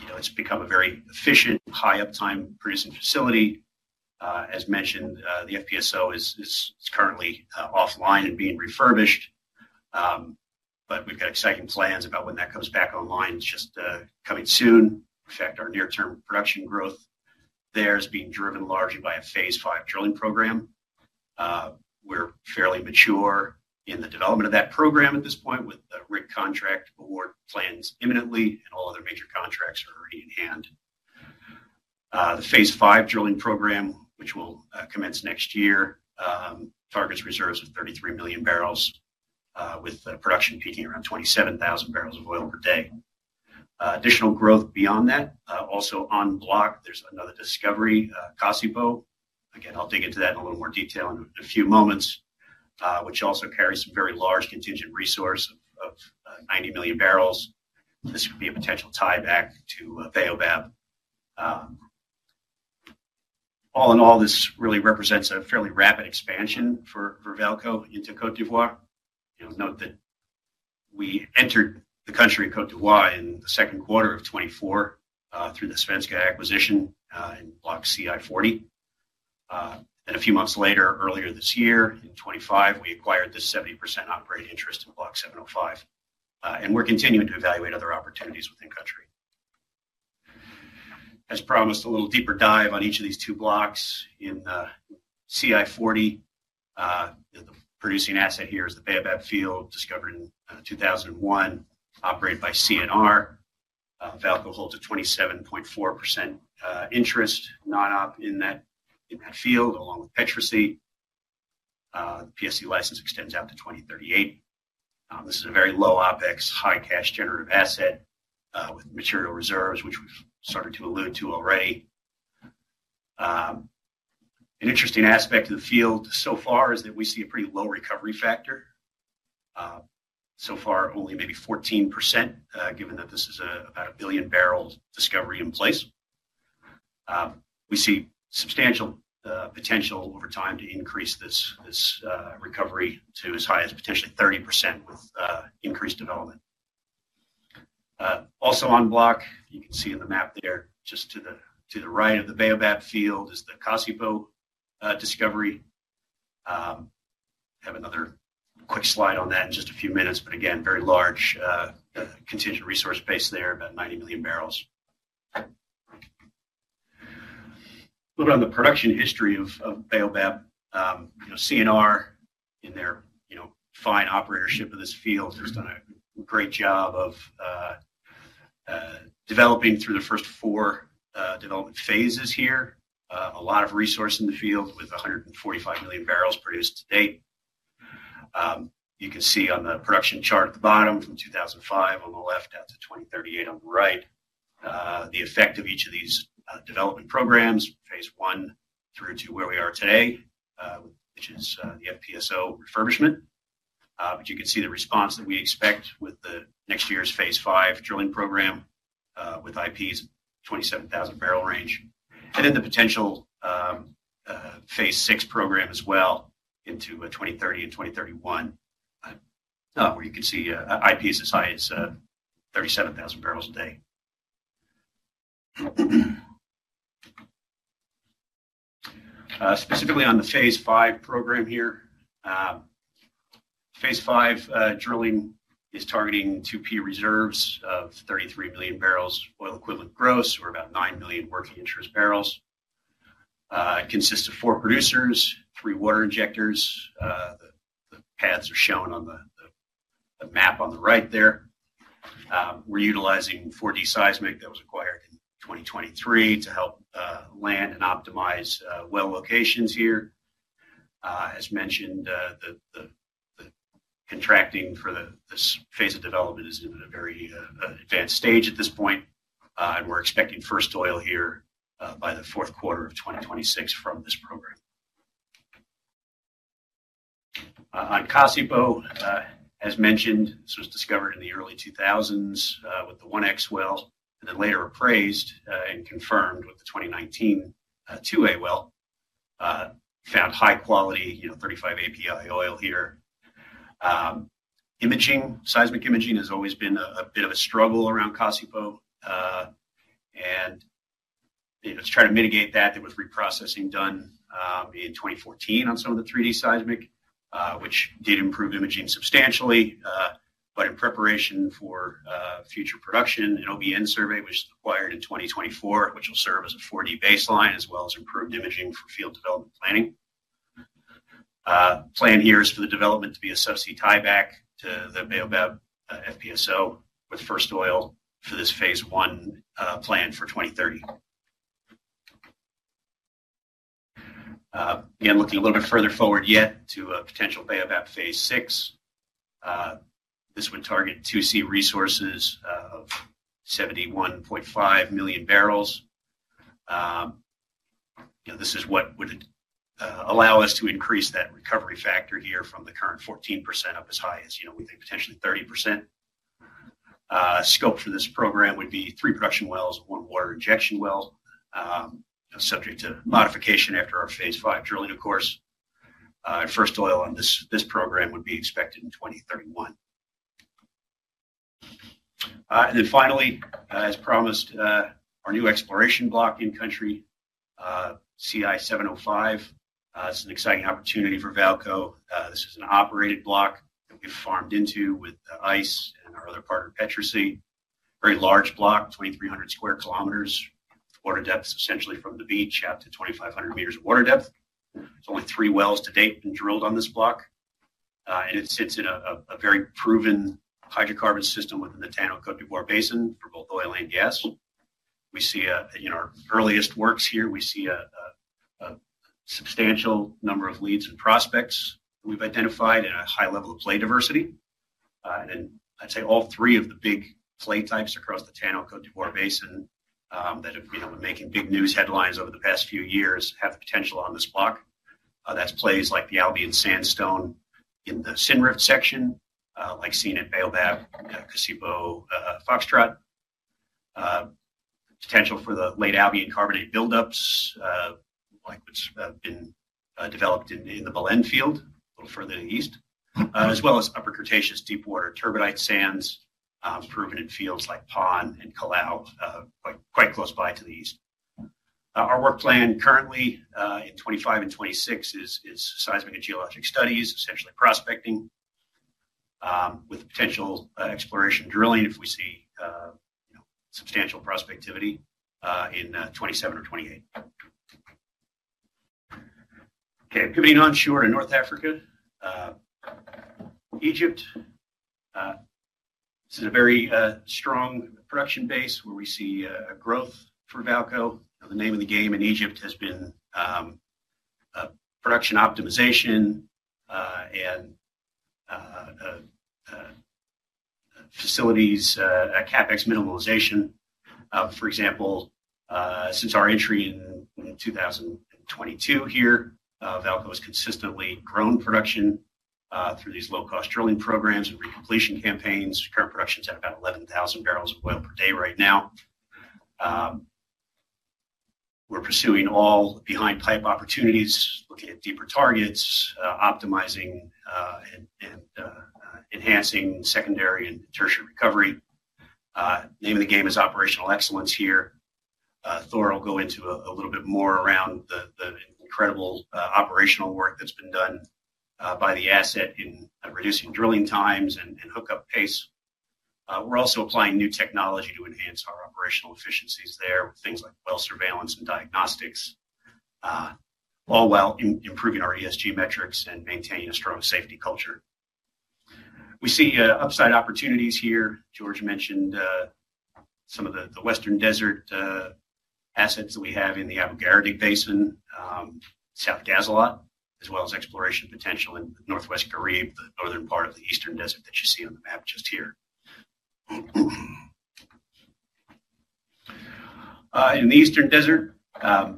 It's become a very efficient, high-uptime producing facility. As mentioned, the FPSO is currently offline and being refurbished, but we've got exciting plans about when that comes back online. It's just coming soon. In fact, our near-term production growth there is being driven largely by a phase five drilling program. We're fairly mature in the development of that program at this point with the rig contract award plans imminently, and all other major contracts are already in hand. The phase five drilling program, which will commence next year, targets reserves of 33 million barrels, with production peaking around 27,000 barrels of oil per day. Additional growth beyond that, also on block, there's another discovery, CASIPO. Again, I'll dig into that in a little more detail in a few moments, which also carries some very large contingent resource of 90 million barrels. This would be a potential tie back to Baobab. All in all, this really represents a fairly rapid expansion for VAALCO into Côte d'Ivoire. Note that we entered the country of Côte d'Ivoire in the second quarter of 2024 through the Svenska acquisition in block CI-40. Then a few months later, earlier this year in 2025, we acquired this 70% operating interest in block 705. And we're continuing to evaluate other opportunities within country. As promised, a little deeper dive on each of these two blocks in CI-40. The producing asset here is the Baobab field, discovered in 2001, operated by CNR International. VAALCO holds a 27.4% interest non-op in that field along with Perenco. The PSC license extends out to 2038. This is a very low OPEX, high cash-generative asset with material reserves, which we've started to allude to already. An interesting aspect of the field so far is that we see a pretty low recovery factor. So far, only maybe 14%, given that this is about a billion barrels discovery in place. We see substantial potential over time to increase this recovery to as high as potentially 30% with increased development. Also on block, you can see in the map there, just to the right of the Baobab field is the CASIPO discovery. Have another quick slide on that in just a few minutes, but again, very large contingent resource base there, about 90 million barrels. A little bit on the production history of Baobab. CNR, in their fine operatorship of this field, has done a great job of developing through the first four development phases here. A lot of resource in the field with 145 million barrels produced to date. You can see on the production chart at the bottom from 2005 on the left out to 2038 on the right, the effect of each of these development programs, phase one through to where we are today, which is the FPSO refurbishment. You can see the response that we expect with the next year's phase five drilling program with IPs 27,000 barrel range. The potential phase six program as well into 2030 and 2031, where you can see IPs as high as 37,000 barrels a day. Specifically on the phase five program here, phase five drilling is targeting 2P reserves of 33 million barrels oil equivalent gross, or about 9 million working interest barrels. It consists of four producers, three water injectors. The paths are shown on the map on the right there. We're utilizing 4D seismic that was acquired in 2023 to help land and optimize well locations here. As mentioned, the contracting for this phase of development is in a very advanced stage at this point, and we're expecting first oil here by the fourth quarter of 2026 from this program. On CASIPO, as mentioned, this was discovered in the early 2000s with the 1X well, and then later appraised and confirmed with the 2019 2A well, found high-quality 35 API oil here. Seismic imaging has always been a bit of a struggle around CASIPO. To try to mitigate that, there was reprocessing done in 2014 on some of the 3D seismic, which did improve imaging substantially. In preparation for future production, an OBN survey was acquired in 2024, which will serve as a 4D baseline, as well as improved imaging for field development planning. Plan here is for the development to be a subsea tieback to the Baobab FPSO with first oil for this phase one plan for 2030. Again, looking a little bit further forward yet to a potential Baobab phase six, this would target 2C resources of 71.5 million barrels. This is what would allow us to increase that recovery factor here from the current 14% up as high as we think potentially 30%. Scope for this program would be three production wells, one water injection well, subject to modification after our phase five drilling, of course. First oil on this program would be expected in 2031. Finally, as promised, our new exploration block in country, CI-705, is an exciting opportunity for VAALCO. This is an operated block that we've farmed into with ICE and our other partner, Petri C. Very large block, 2,300 sq km, water depth essentially from the beach out to 2,500 meters of water depth. It's only three wells to date been drilled on this block. It sits in a very proven hydrocarbon system within the Tanao Côte d'Ivoire Basin for both oil and gas. We see our earliest works here. We see a substantial number of leads and prospects that we've identified and a high level of play diversity. I'd say all three of the big play types across the Tano Côte d'Ivoire Basin that have been making big news headlines over the past few years have potential on this block. That's plays like the Albian Sandstone in the syn-rift section, like seen at Baobab, CASIPO, Foxtrot. Potential for the late Albian carbonate buildups, like what's been developed in the Belen field a little further east, as well as upper Cretaceous deep water turbidite sands proven in fields like Pawn and Kalau, quite close by to the east. Our work plan currently in 2025 and 2026 is seismic and geologic studies, essentially prospecting with potential exploration drilling if we see substantial prospectivity in 2027 or 2028. Okay. Pivoting onshore to North Africa, Egypt. This is a very strong production base where we see growth for VAALCO. The name of the game in Egypt has been production optimization and facilities, CapEx minimalization. For example, since our entry in 2022 here, VAALCO has consistently grown production through these low-cost drilling programs and recompletion campaigns. Current production's at about 11,000 barrels of oil per day right now. We're pursuing all behind pipe opportunities, looking at deeper targets, optimizing and enhancing secondary and tertiary recovery. Name of the game is operational excellence here. Thor will go into a little bit more around the incredible operational work that's been done by the asset in reducing drilling times and hookup pace. We're also applying new technology to enhance our operational efficiencies there with things like well surveillance and diagnostics, all while improving our ESG metrics and maintaining a strong safety culture. We see upside opportunities here. George mentioned some of the Western Desert assets that we have in the Alberta Basin, South Ghazalat, as well as exploration potential in Northwest Khareeb, the northern part of the Eastern Desert that you see on the map just here. In the Eastern Desert, a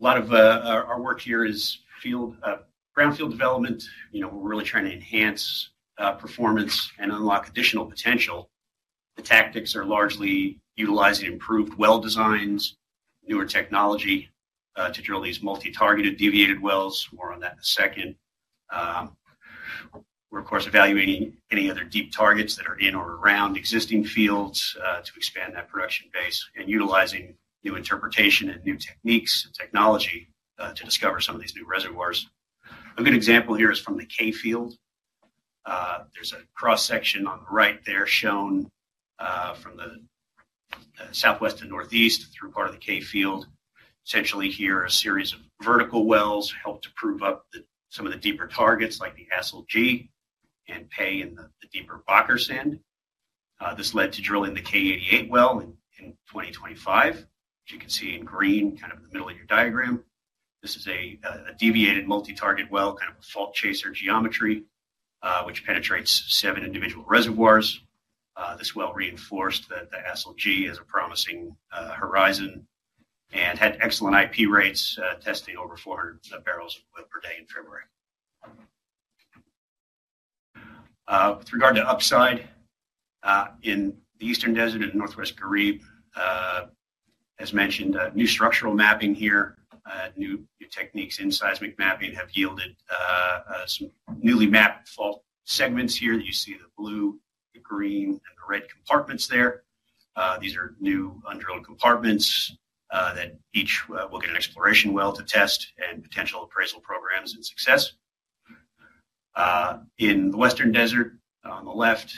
lot of our work here is ground field development. We're really trying to enhance performance and unlock additional potential. The tactics are largely utilizing improved well designs, newer technology to drill these multi-targeted deviated wells. More on that in a second. We're, of course, evaluating any other deep targets that are in or around existing fields to expand that production base and utilizing new interpretation and new techniques and technology to discover some of these new reservoirs. A good example here is from the K field. There's a cross-section on the right there shown from the southwest to northeast through part of the K field. Essentially here, a series of vertical wells helped to prove up some of the deeper targets like the ASLG and pay in the deeper Bocker sand. This led to drilling the K88 well in 2025, which you can see in green kind of in the middle of your diagram. This is a deviated multi-target well, kind of a fault chaser geometry, which penetrates seven individual reservoirs. This well reinforced the ASLG as a promising horizon and had excellent IP rates, testing over 400 barrels of oil per day in February. With regard to upside in the Eastern Desert and Northwest Caribe, as mentioned, new structural mapping here, new techniques in seismic mapping have yielded some newly mapped fault segments here. You see the blue, the green, and the red compartments there. These are new undrilled compartments that each will get an exploration well to test and potential appraisal programs and success. In the Western Desert on the left,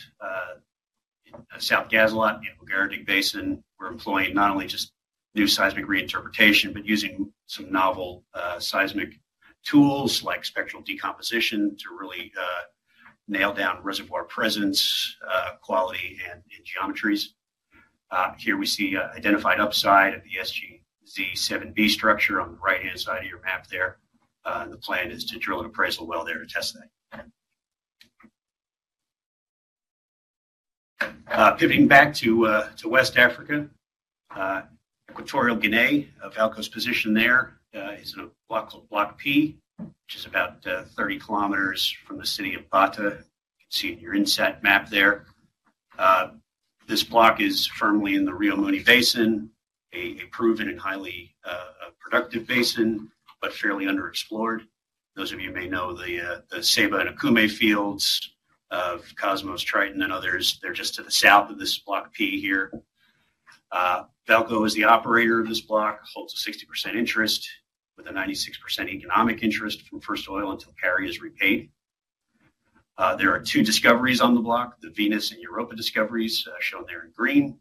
South Gazelot and Abu Gharadig Basin, we're employing not only just new seismic reinterpretation, but using some novel seismic tools like spectral decomposition to really nail down reservoir presence, quality, and geometries. Here we see identified upside of the SGZ 7B structure on the right-hand side of your map there. The plan is to drill an appraisal well there to test that. Pivoting back to West Africa, Equatorial Guinea, VAALCO's position there is in a block called Block P, which is about 30 km from the city of Bata. You can see in your inset map there. This block is firmly in the Rio Muni Basin, a proven and highly productive basin, but fairly underexplored. Those of you may know the Saba and Akume fields of Kosmos, Triton, and others. They're just to the south of this Block P here. VAALCO is the operator of this block, holds a 60% interest with a 96% economic interest from first oil until carry is repaid. There are two discoveries on the block, the Venus and Europa discoveries shown there in green,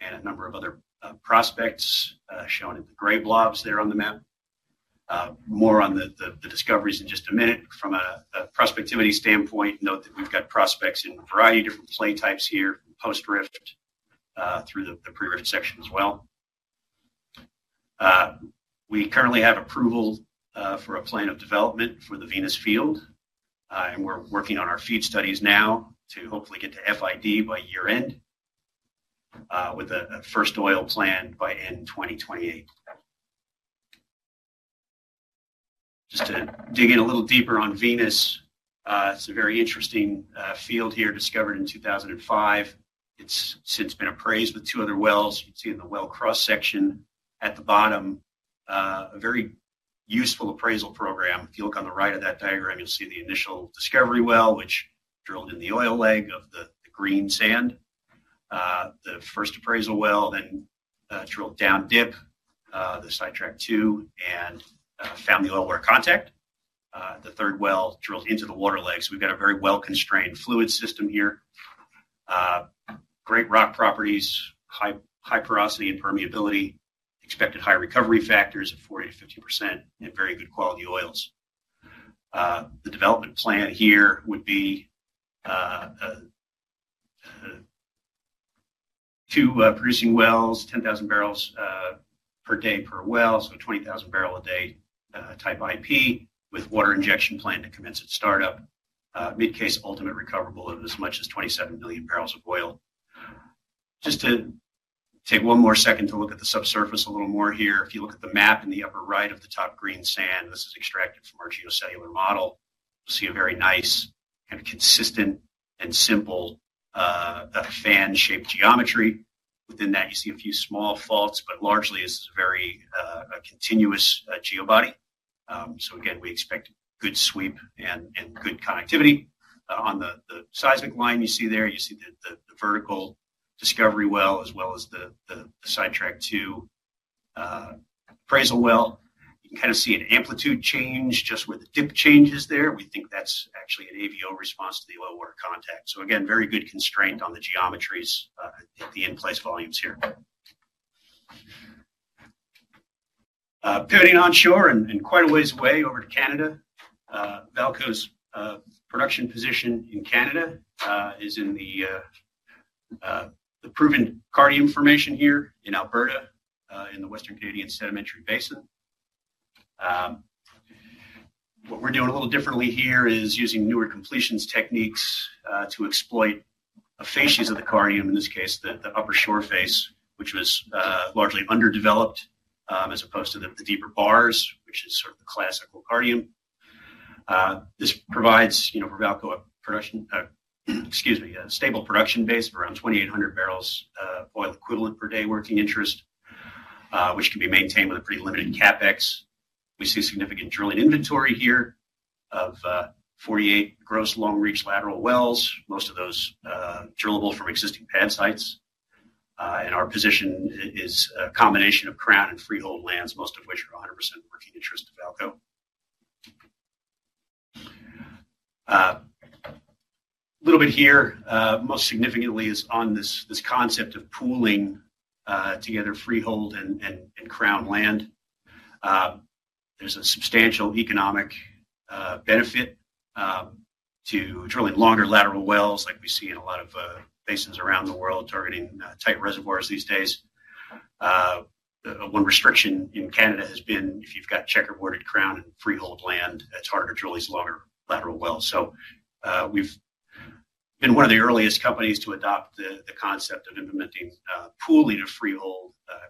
and a number of other prospects shown in the gray blobs there on the map. More on the discoveries in just a minute. From a prospectivity standpoint, note that we've got prospects in a variety of different play types here, post rift through the pre-rift section as well. We currently have approval for a plan of development for the Venus field, and we're working on our FEED studies now to hopefully get to FID by year-end with a first oil plan by end 2028. Just to dig in a little deeper on Venus, it's a very interesting field here discovered in 2005. It's since been appraised with two other wells. You can see in the well cross-section at the bottom, a very useful appraisal program. If you look on the right of that diagram, you'll see the initial discovery well, which drilled in the oil leg of the green sand. The first appraisal well then drilled down dip, the side track two, and found the oil water contact. The third well drilled into the water leg. So we've got a very well-constrained fluid system here. Great rock properties, high porosity and permeability, expected high recovery factors of 40%-50%, and very good quality oils. The development plan here would be two producing wells, 10,000 barrels per day per well, so 20,000 barrel a day type IP with water injection plan to commence at startup, mid-case ultimate recoverable of as much as 27 million barrels of oil. Just to take one more second to look at the subsurface a little more here. If you look at the map in the upper right of the top green sand, this is extracted from our geocellular model. You'll see a very nice kind of consistent and simple fan-shaped geometry. Within that, you see a few small faults, but largely this is a very continuous geobody. Again, we expect good sweep and good connectivity. On the seismic line you see there, you see the vertical discovery well as well as the side track two appraisal well. You can kind of see an amplitude change just where the dip changes there. We think that's actually an AVO response to the oil water contact. Again, very good constraint on the geometries at the in-place volumes here. Pivoting onshore and quite a ways away over to Canada, VAALCO's production position in Canada is in the proven Cardium formation here in Alberta in the Western Canadian Sedimentary Basin. What we're doing a little differently here is using newer completions techniques to exploit the facies of the Cardium, in this case, the upper shore face, which was largely underdeveloped as opposed to the deeper bars, which is sort of the classical Cardium. This provides for VAALCO a production, excuse me, a stable production base of around 2,800 barrels of oil equivalent per day working interest, which can be maintained with a pretty limited CapEx. We see significant drilling inventory here of 48 gross long-reach lateral wells, most of those drillable from existing pad sites. Our position is a combination of crown and freehold lands, most of which are 100% working interest to VAALCO. A little bit here, most significantly, is on this concept of pooling together freehold and crown land. There is a substantial economic benefit to drilling longer lateral wells like we see in a lot of basins around the world targeting tight reservoirs these days. One restriction in Canada has been if you have got checkerboarded crown and freehold land, it is harder to drill these longer lateral wells. We have been one of the earliest companies to adopt the concept of implementing pooling of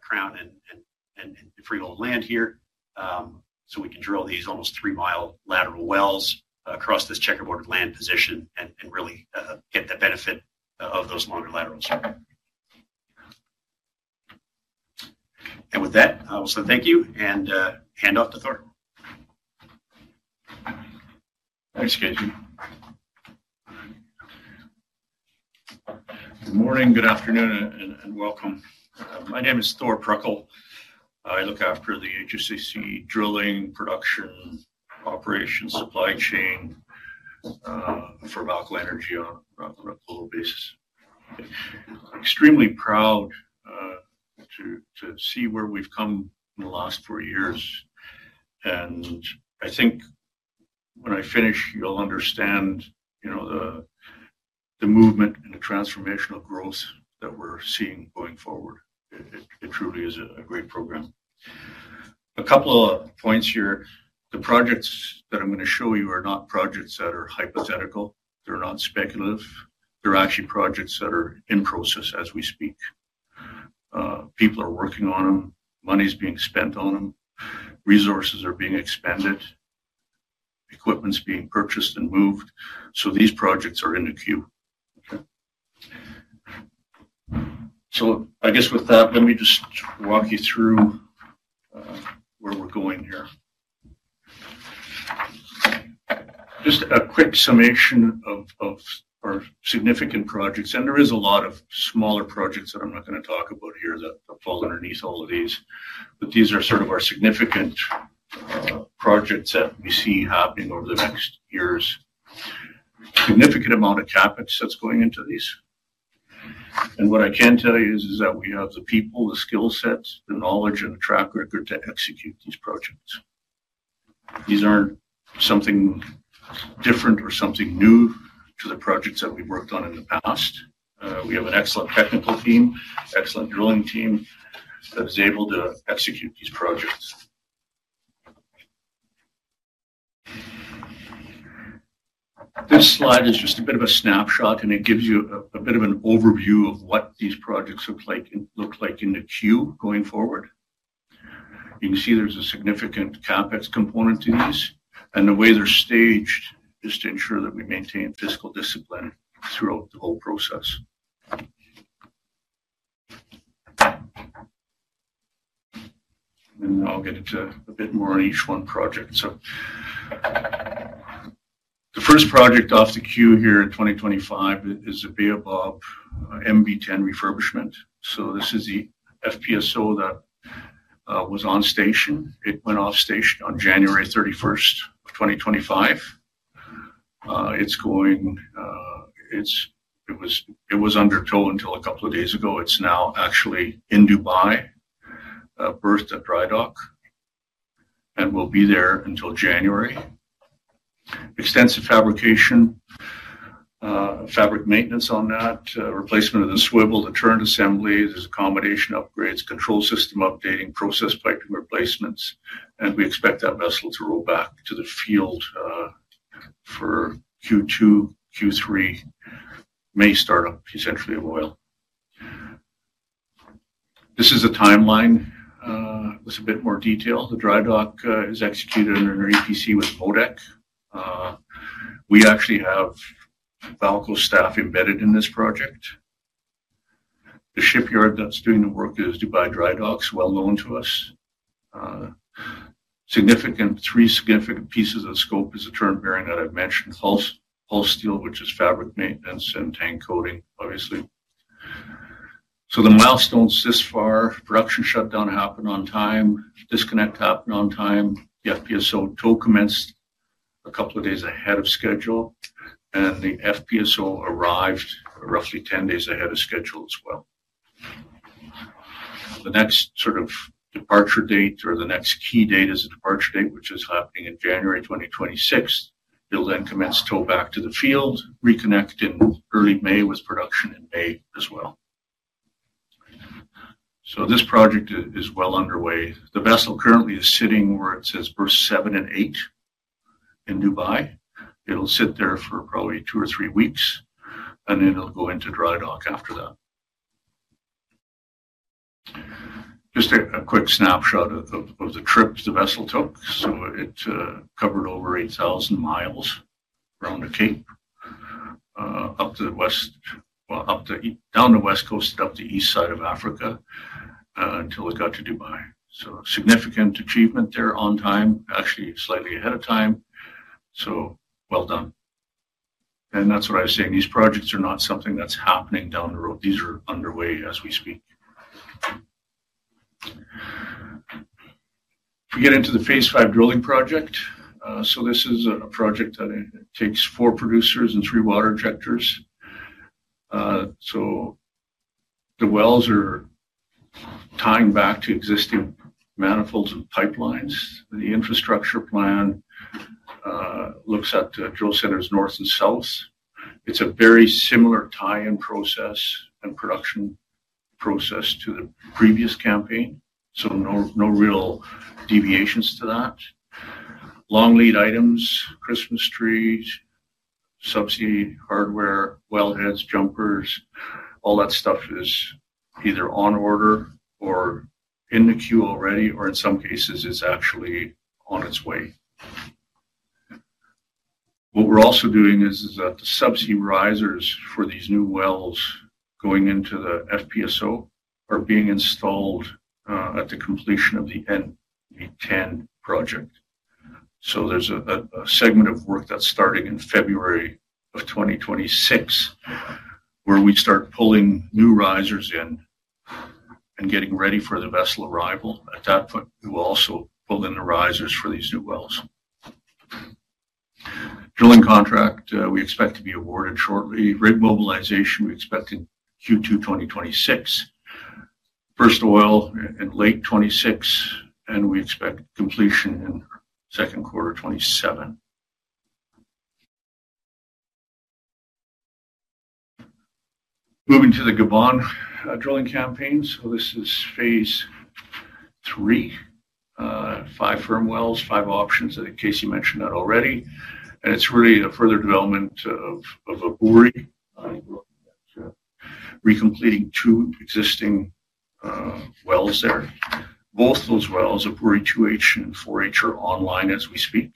crown and freehold land here. We can drill these almost three-mile lateral wells across this checkerboarded land position and really get the benefit of those longer laterals. With that, I will say thank you and hand off to Thor. Thanks, Casey. Good morning, good afternoon, and welcome. My name is Thor Pruckl. I look after the HSCC drilling, production, operation, supply chain for VAALCO Energy on a real global basis. Extremely proud to see where we've come in the last four years. I think when I finish, you'll understand the movement and the transformational growth that we're seeing going forward. It truly is a great program. A couple of points here. The projects that I'm going to show you are not projects that are hypothetical. They're not speculative. They're actually projects that are in process as we speak. People are working on them. Money's being spent on them. Resources are being expended. Equipment's being purchased and moved. These projects are in the queue. Okay. I guess with that, let me just walk you through where we're going here. Just a quick summation of our significant projects. There is a lot of smaller projects that I'm not going to talk about here that fall underneath all of these. These are sort of our significant projects that we see happening over the next years. Significant amount of CapEx that's going into these. What I can tell you is that we have the people, the skill sets, the knowledge, and the track record to execute these projects. These aren't something different or something new to the projects that we've worked on in the past. We have an excellent technical team, excellent drilling team that is able to execute these projects. This slide is just a bit of a snapshot, and it gives you a bit of an overview of what these projects look like in the queue going forward. You can see there's a significant CapEx component to these. The way they're staged is to ensure that we maintain fiscal discipline throughout the whole process. I'll get into a bit more on each one project. The first project off the queue here in 2025 is a Baobab MB10 refurbishment. This is the FPSO that was on station. It went off station on January 31, 2025. It was under tow until a couple of days ago. It's now actually in Dubai, berthed at drydock, and will be there until January. Extensive fabrication, fabric maintenance on that, replacement of the swivel to turn assemblies, accommodation upgrades, control system updating, process piping replacements. We expect that vessel to roll back to the field for Q2, Q3, May startup, essentially of oil. This is a timeline with a bit more detail. The drydock is executed under an EPC with MoDEC. We actually have VAALCO staff embedded in this project. The shipyard that is doing the work is Dubai Drydock, well known to us. Three significant pieces of scope are the turn bearing that I have mentioned, hull steel, which is fabric maintenance, and tank coating, obviously. The milestones thus far: production shutdown happened on time, disconnect happened on time, the FPSO tow commenced a couple of days ahead of schedule, and the FPSO arrived roughly 10 days ahead of schedule as well. The next sort of departure date or the next key date is a departure date, which is happening in January 2026. It'll then commence tow back to the field, reconnect in early May with production in May as well. This project is well underway. The vessel currently is sitting where it says berth 7 and 8 in Dubai. It'll sit there for probably two or three weeks, and then it'll go into drydock after that. Just a quick snapshot of the trip the vessel took. It covered over 8,000 mi around the Cape, down the west coast, up the east side of Africa until it got to Dubai. Significant achievement there on time, actually slightly ahead of time. Well done. These projects are not something that's happening down the road. These are underway as we speak. We get into the phase five drilling project. This is a project that takes four producers and three water injectors. The wells are tying back to existing manifolds and pipelines. The infrastructure plan looks at drill centers north and south. It is a very similar tie-in process and production process to the previous campaign. No real deviations to that. Long lead items, Christmas trees, subsea hardware, wellheads, jumpers, all that stuff is either on order or in the queue already, or in some cases, it is actually on its way. What we are also doing is that the subsea risers for these new wells going into the FPSO are being installed at the completion of the MB10 project. There is a segment of work that is starting in February of 2026 where we start pulling new risers in and getting ready for the vessel arrival. At that point, we will also pull in the risers for these new wells. Drilling contract, we expect to be awarded shortly. Rig mobilization, we expect in Q2 2026. First oil in late 2026, and we expect completion in second quarter 2027. Moving to the Gabon drilling campaign. This is phase three, five firm wells, five options. I think Casey mentioned that already. It is really a further development of Ebouri, recompleting two existing wells there. Both those wells, Ebouri 2H and 4H, are online as we speak.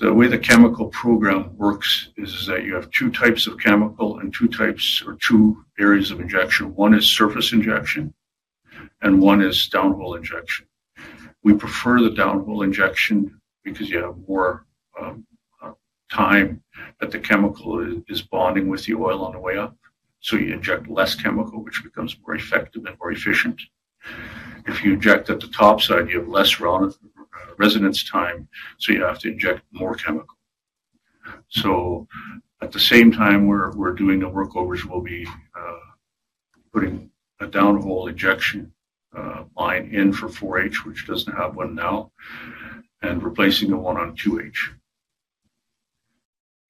The way the chemical program works is that you have two types of chemical and two types or two areas of injection. One is surface injection, and one is downhill injection. We prefer the downhill injection because you have more time that the chemical is bonding with the oil on the way up. You inject less chemical, which becomes more effective and more efficient. If you inject at the top side, you have less residen time, so you have to inject more chemical. At the same time, we're doing the workovers. We'll be putting a downhill injection line in for 4H, which doesn't have one now, and replacing the one on 2H.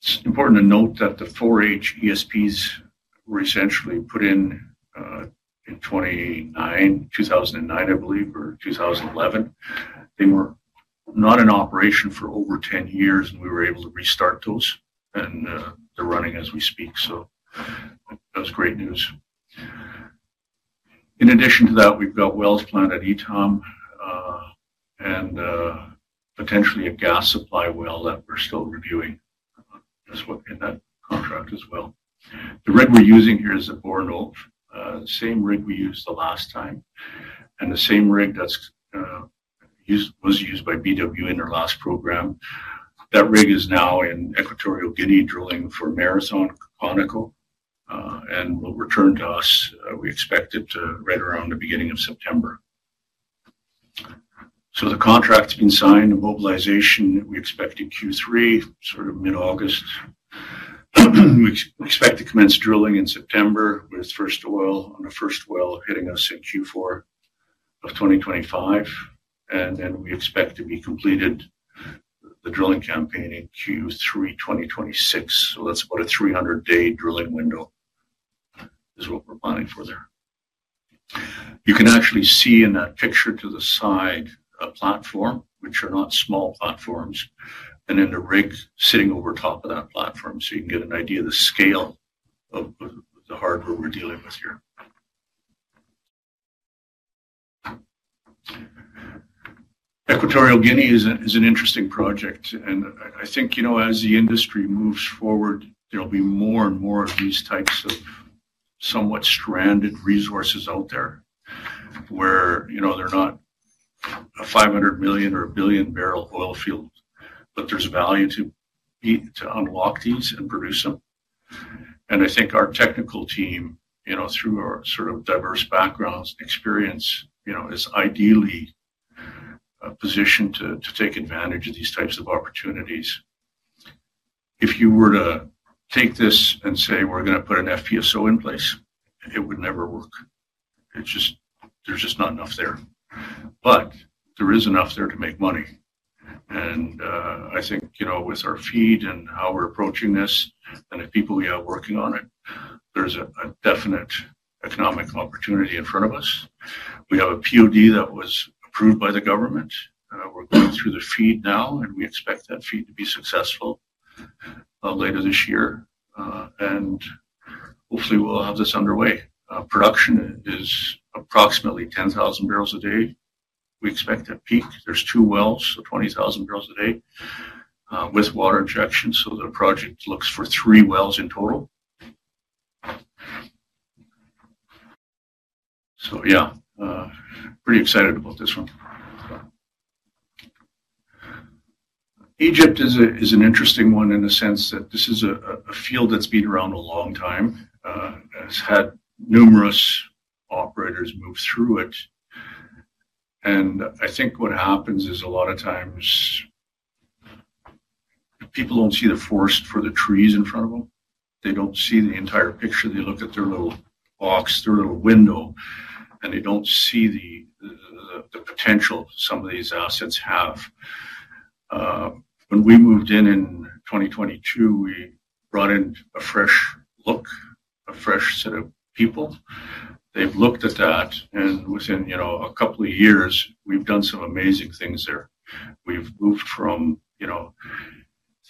It's important to note that the 4H ESPs were essentially put in in 2009, I believe, or 2011. They were not in operation for over 10 years, and we were able to restart those, and they're running as we speak. That was great news. In addition to that, we've got wells planned at ETOM and potentially a gas supply well that we're still reviewing. That's what's in that contract as well. The rig we're using here is a Borr Njord. Same rig we used the last time, and the same rig that was used by BW Energy in their last program. That rig is now in Equatorial Guinea drilling for Marathon Oil and will return to us. We expect it right around the beginning of September. The contract's been signed. The mobilization, we expect in Q3, sort of mid-August. We expect to commence drilling in September with first oil on the first well hitting us in Q4 of 2025. We expect to be completed the drilling campaign in Q3 2026. That's about a 300-day drilling window is what we're planning for there. You can actually see in that picture to the side a platform, which are not small platforms, and then the rig sitting over top of that platform. You can get an idea of the scale of the hardware we're dealing with here. Equatorial Guinea is an interesting project. I think as the industry moves forward, there'll be more and more of these types of somewhat stranded resources out there where they're not a 500 million or a billion barrel oil field, but there's value to unlock these and produce them. I think our technical team, through our sort of diverse backgrounds and experience, is ideally positioned to take advantage of these types of opportunities. If you were to take this and say, "We're going to put an FPSO in place," it would never work. There's just not enough there. There is enough there to make money. I think with our feed and how we're approaching this and the people we have working on it, there's a definite economic opportunity in front of us. We have a POD that was approved by the government. We're going through the feed now, and we expect that feed to be successful later this year. Hopefully, we'll have this underway. Production is approximately 10,000 barrels a day. We expect a peak. There's two wells, so 20,000 barrels a day with water injection. The project looks for three wells in total. Yeah, pretty excited about this one. Egypt is an interesting one in the sense that this is a field that's been around a long time. It's had numerous operators move through it. I think what happens is a lot of times, people don't see the forest for the trees in front of them. They don't see the entire picture. They look at their little box, their little window, and they don't see the potential some of these assets have. When we moved in in 2022, we brought in a fresh look, a fresh set of people. They've looked at that. And within a couple of years, we've done some amazing things there. We've moved from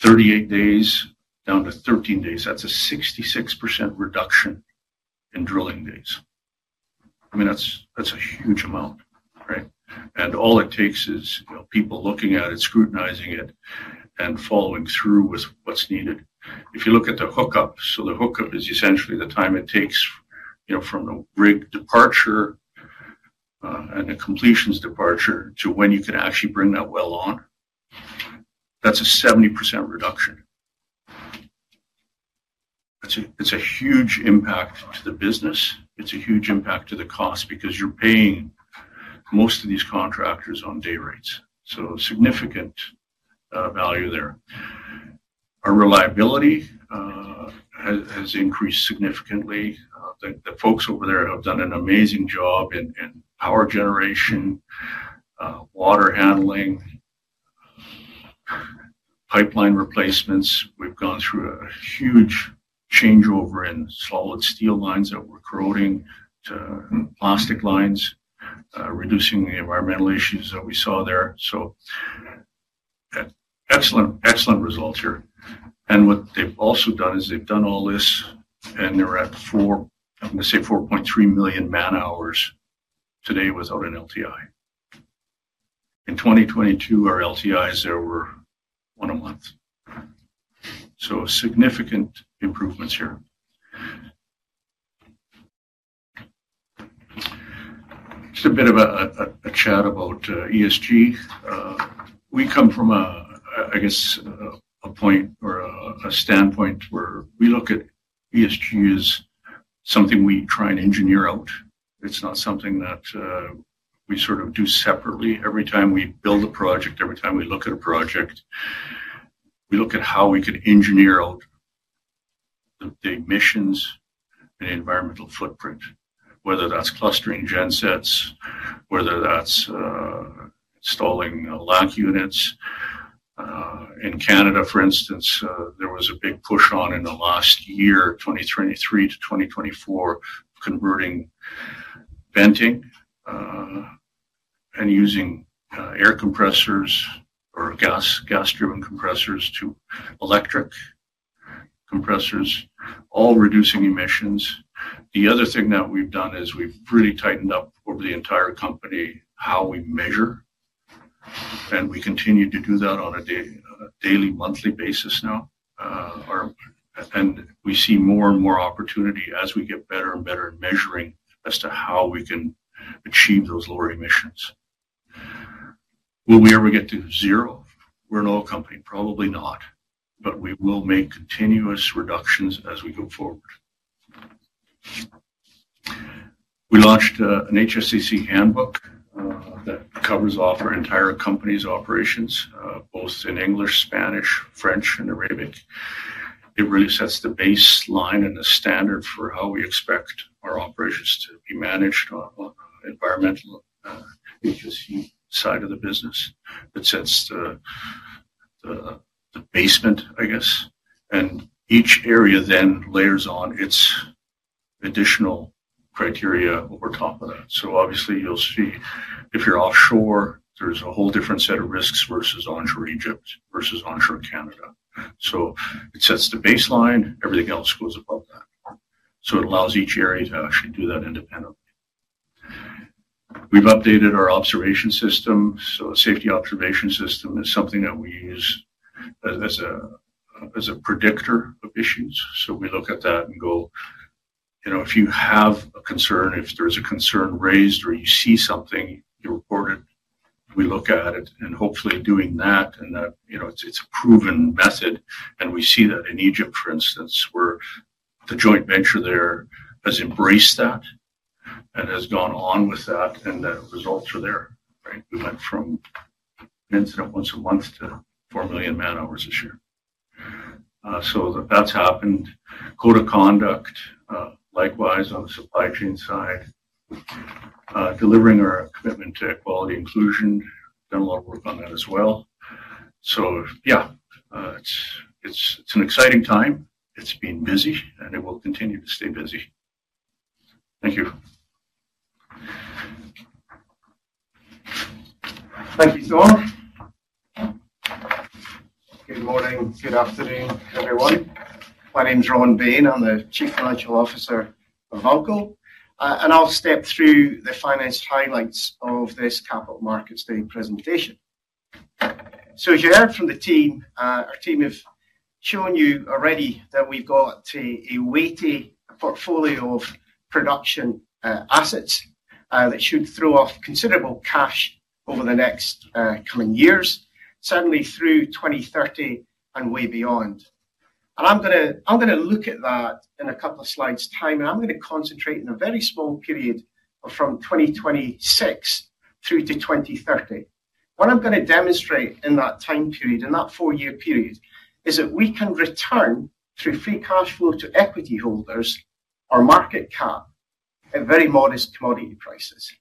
38 days down to 13 days. That's a 66% reduction in drilling days. I mean, that's a huge amount, right? And all it takes is people looking at it, scrutinizing it, and following through with what's needed. If you look at the hookup, so the hookup is essentially the time it takes from the rig departure and the completion's departure to when you can actually bring that well on. That's a 70% reduction. It's a huge impact to the business. It's a huge impact to the cost because you're paying most of these contractors on day rates. Significant value there. Our reliability has increased significantly. The folks over there have done an amazing job in power generation, water handling, pipeline replacements. We have gone through a huge changeover in solid steel lines that were corroding to plastic lines, reducing the environmental issues that we saw there. Excellent results here. What they have also done is they have done all this, and they are at, I am going to say, 4.3 million man-hours today without an LTI. In 2022, our LTIs there were one a month. Significant improvements here. Just a bit of a chat about ESG. We come from, I guess, a point or a standpoint where we look at ESG as something we try and engineer out. It is not something that we sort of do separately. Every time we build a project, every time we look at a project, we look at how we could engineer out the emissions and the environmental footprint, whether that's clustering gensets, whether that's installing LAC units. In Canada, for instance, there was a big push on in the last year, 2023 to 2024, converting venting and using air compressors or gas-driven compressors to electric compressors, all reducing emissions. The other thing that we've done is we've really tightened up over the entire company how we measure. We continue to do that on a daily, monthly basis now. We see more and more opportunity as we get better and better in measuring as to how we can achieve those lower emissions. Will we ever get to zero? We're an oil company. Probably not. We will make continuous reductions as we go forward. We launched an HSCC handbook that covers off our entire company's operations, both in English, Spanish, French, and Arabic. It really sets the baseline and the standard for how we expect our operations to be managed on the environmental side of the business. It sets the basement, I guess. Each area then layers on its additional criteria over top of that. Obviously, you'll see if you're offshore, there's a whole different set of risks versus onshore Egypt versus onshore Canada. It sets the baseline. Everything else goes above that. It allows each area to actually do that independently. We've updated our observation system. A safety observation system is something that we use as a predictor of issues. We look at that and go, "If you have a concern, if there's a concern raised or you see something you reported, we look at it." Hopefully, doing that, and it's a proven method. We see that in Egypt, for instance, where the joint venture there has embraced that and has gone on with that, and the results are there, right? We went from an incident once a month to 4 million man-hours a year. That's happened. Code of conduct, likewise, on the supply chain side, delivering our commitment to equality and inclusion, done a lot of work on that as well. Yeah, it's an exciting time. It's been busy, and it will continue to stay busy. Thank you. Thank you so much. Good morning. Good afternoon, everyone. My name's Ron Bain. I'm the Chief Financial Officer of VAALCO Energy. I'll step through the finance highlights of this Capital Markets Day presentation. As you heard from the team, our team has shown you already that we've got a weighty portfolio of production assets that should throw off considerable cash over the next coming years, certainly through 2030 and way beyond. I'm going to look at that in a couple of slides' time, and I'm going to concentrate in a very small period from 2026 through to 2030. What I'm going to demonstrate in that time period, in that four-year period, is that we can return through free cash flow to equity holders or market cap at very modest commodity prices.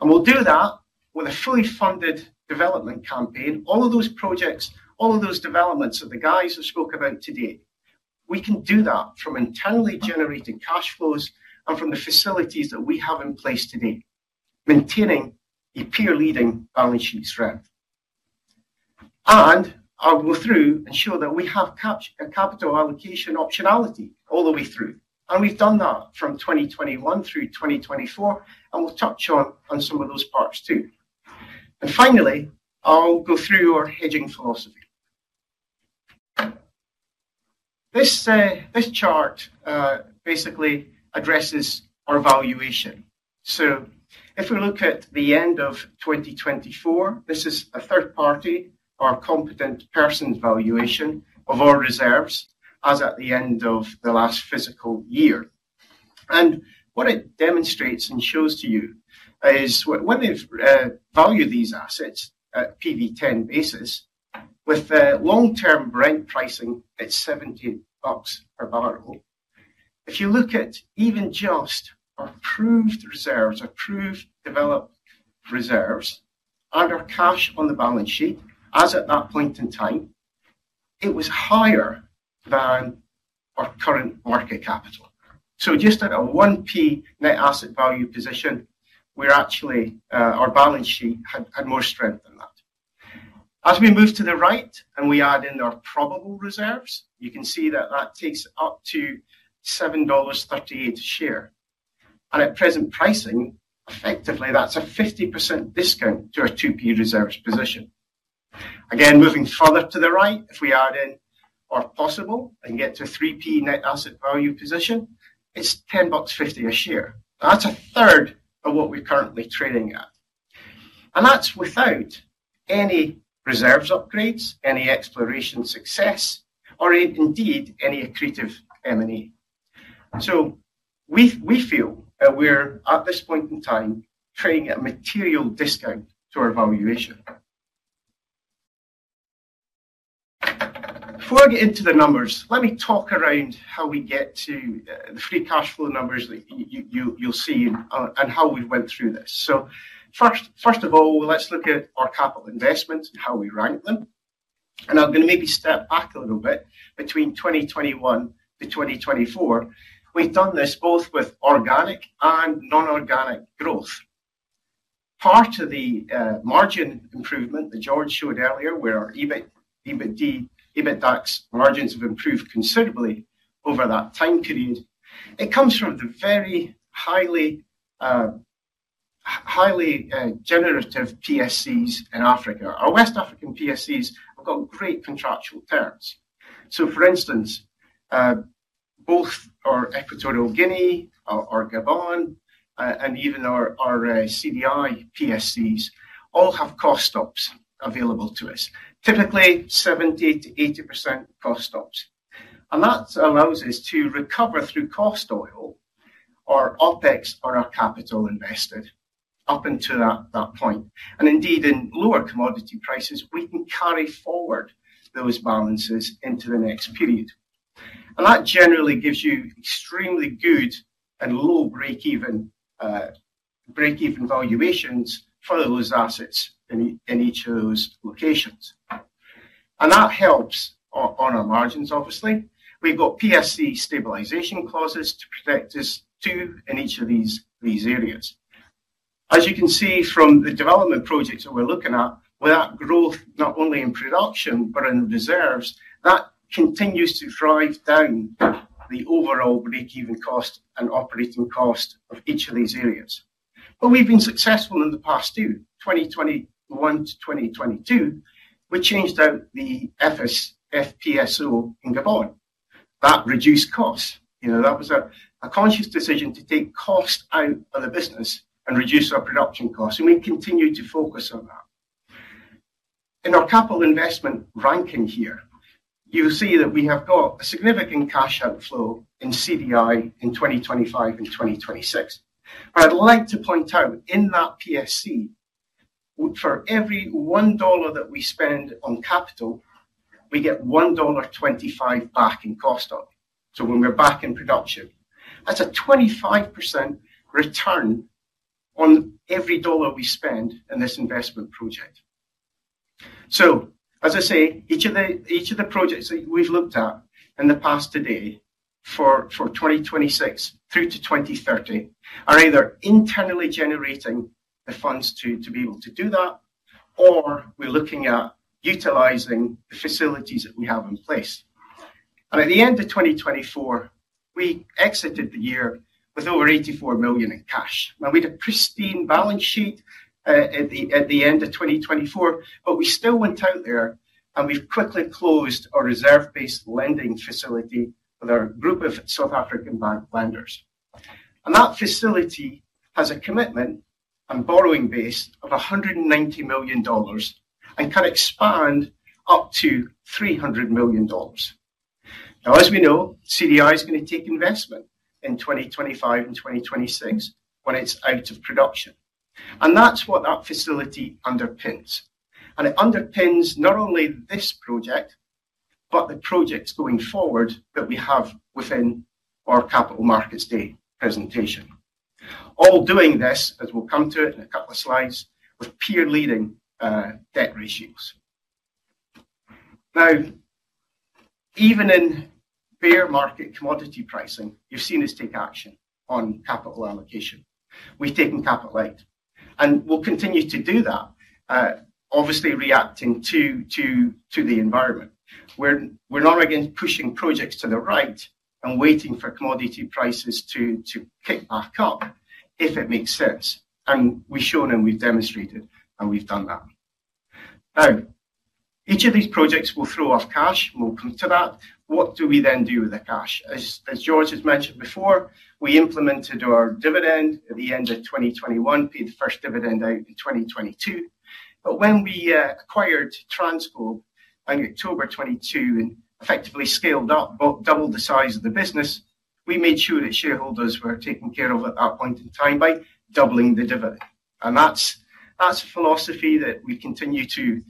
We'll do that with a fully funded development campaign. All of those projects, all of those developments that the guys have spoke about today, we can do that from internally generated cash flows and from the facilities that we have in place today, maintaining a peer-leading balance sheet threat. I'll go through and show that we have capital allocation optionality all the way through. We've done that from 2021 through 2024, and we'll touch on some of those parts too. Finally, I'll go through our hedging philosophy. This chart basically addresses our valuation. If we look at the end of 2024, this is a third-party or competent person's valuation of our reserves as at the end of the last fiscal year. What it demonstrates and shows to you is when they've valued these assets at a PV10 basis with long-term Brent pricing at $70 per barrel. If you look at even just our proved reserves, our proved developed reserves, and our cash on the balance sheet as at that point in time, it was higher than our current market capital. Just at a 1P net asset value position, our balance sheet had more strength than that. As we move to the right and we add in our probable reserves, you can see that that takes up to $7.38 a share. At present pricing, effectively, that's a 50% discount to our 2P reserves position. Again, moving further to the right, if we add in our possible and get to 3P net asset value position, it's $10.50 a share. That's a third of what we're currently trading at. That's without any reserves upgrades, any exploration success, or indeed any accretive M&A. We feel that we're, at this point in time, trading at a material discount to our valuation. Before I get into the numbers, let me talk around how we get to the free cash flow numbers that you'll see and how we went through this. First of all, let's look at our capital investments and how we rank them. I'm going to maybe step back a little bit between 2021 to 2024. We've done this both with organic and non-organic growth. Part of the margin improvement that George showed earlier, where EBITDA, EBITDA margins have improved considerably over that time period, comes from the very highly generative PSCs in Africa. Our West African PSCs have got great contractual terms. For instance, both our Equatorial Guinea or Gabon and even our CDI PSCs all have cost stops available to us, typically 70%-80% cost stops. That allows us to recover through cost oil or OPEX on our capital invested up until that point. Indeed, in lower commodity prices, we can carry forward those balances into the next period. That generally gives you extremely good and low break-even valuations for those assets in each of those locations. That helps on our margins, obviously. We have PSC stabilization clauses to protect us too in each of these areas. As you can see from the development projects that we are looking at, with that growth not only in production but in reserves, that continues to drive down the overall break-even cost and operating cost of each of these areas. We have been successful in the past too. From 2021 to 2022, we changed out the FSO in Gabon. That reduced costs. That was a conscious decision to take cost out of the business and reduce our production costs. We continue to focus on that. In our capital investment ranking here, you'll see that we have got a significant cash outflow in Côte d'Ivoire in 2025 and 2026. I'd like to point out in that PSC, for every $1 that we spend on capital, we get $1.25 back in cost stock. When we're back in production, that's a 25% return on every dollar we spend in this investment project. Each of the projects that we've looked at in the past today for 2026 through to 2030 are either internally generating the funds to be able to do that, or we're looking at utilizing the facilities that we have in place. At the end of 2024, we exited the year with over $84 million in cash. Now, we had a pristine balance sheet at the end of 2024, but we still went out there and we've quickly closed our reserve-based lending facility with our group of South African bank lenders. That facility has a commitment and borrowing base of $190 million and can expand up to $300 million. Now, as we know, CDI is going to take investment in 2025 and 2026 when it's out of production. That facility underpins that. It underpins not only this project, but the projects going forward that we have within our Capital Markets Day presentation. All doing this, as we'll come to it in a couple of slides, with peer-leading debt ratios. Now, even in bear market commodity pricing, you've seen us take action on capital allocation. We've taken capital out. We'll continue to do that, obviously reacting to the environment. We're not again pushing projects to the right and waiting for commodity prices to kick back up if it makes sense. We've shown and we've demonstrated and we've done that. Now, each of these projects will throw off cash. We'll come to that. What do we then do with the cash? As George has mentioned before, we implemented our dividend at the end of 2021, paid the first dividend out in 2022. When we acquired TransGlobe in October 2022 and effectively scaled up, doubled the size of the business, we made sure that shareholders were taken care of at that point in time by doubling the dividend. That's a philosophy that we continue to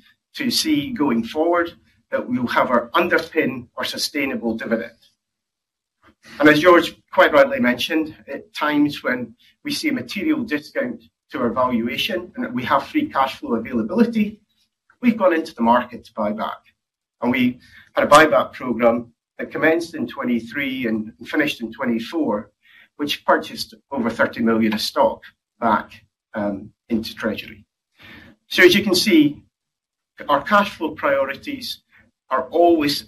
see going forward, that we'll have our underpin or sustainable dividend. As George quite rightly mentioned, at times when we see a material discount to our valuation and that we have free cash flow availability, we have gone into the market to buy back. We had a buyback program that commenced in 2023 and finished in 2024, which purchased over $30 million of stock back into treasury. You can see our cash flow priorities are always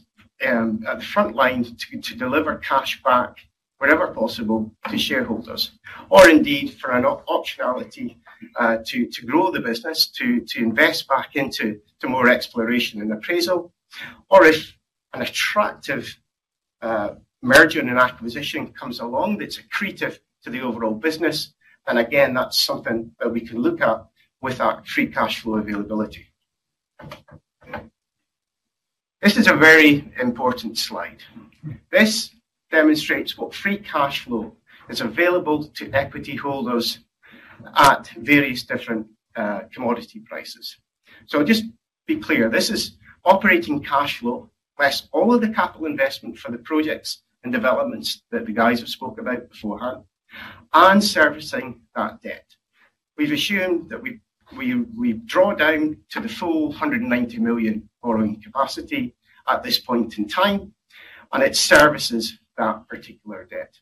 at the front line to deliver cash back whenever possible to shareholders, or indeed for an optionality to grow the business, to invest back into more exploration and appraisal. If an attractive merger and acquisition comes along that is accretive to the overall business, then again, that is something that we can look at with our free cash flow availability. This is a very important slide. This demonstrates what free cash flow is available to equity holders at various different commodity prices. Just be clear, this is operating cash flow less all of the capital investment for the projects and developments that the guys have spoke about beforehand and servicing that debt. We've assumed that we draw down to the full $190 million borrowing capacity at this point in time, and it services that particular debt.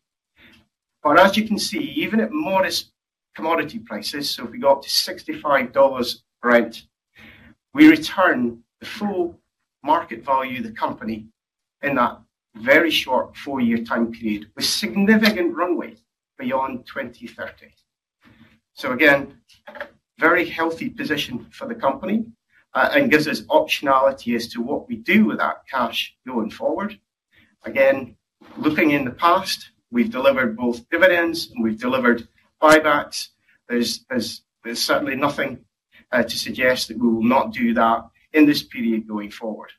As you can see, even at modest commodity prices, if we go up to $65 Brent, we return the full market value of the company in that very short four-year time period with significant runway beyond 2030. Again, very healthy position for the company and gives us optionality as to what we do with that cash going forward. Again, looking in the past, we've delivered both dividends and we've delivered buybacks. There's certainly nothing to suggest that we will not do that in this period going forward.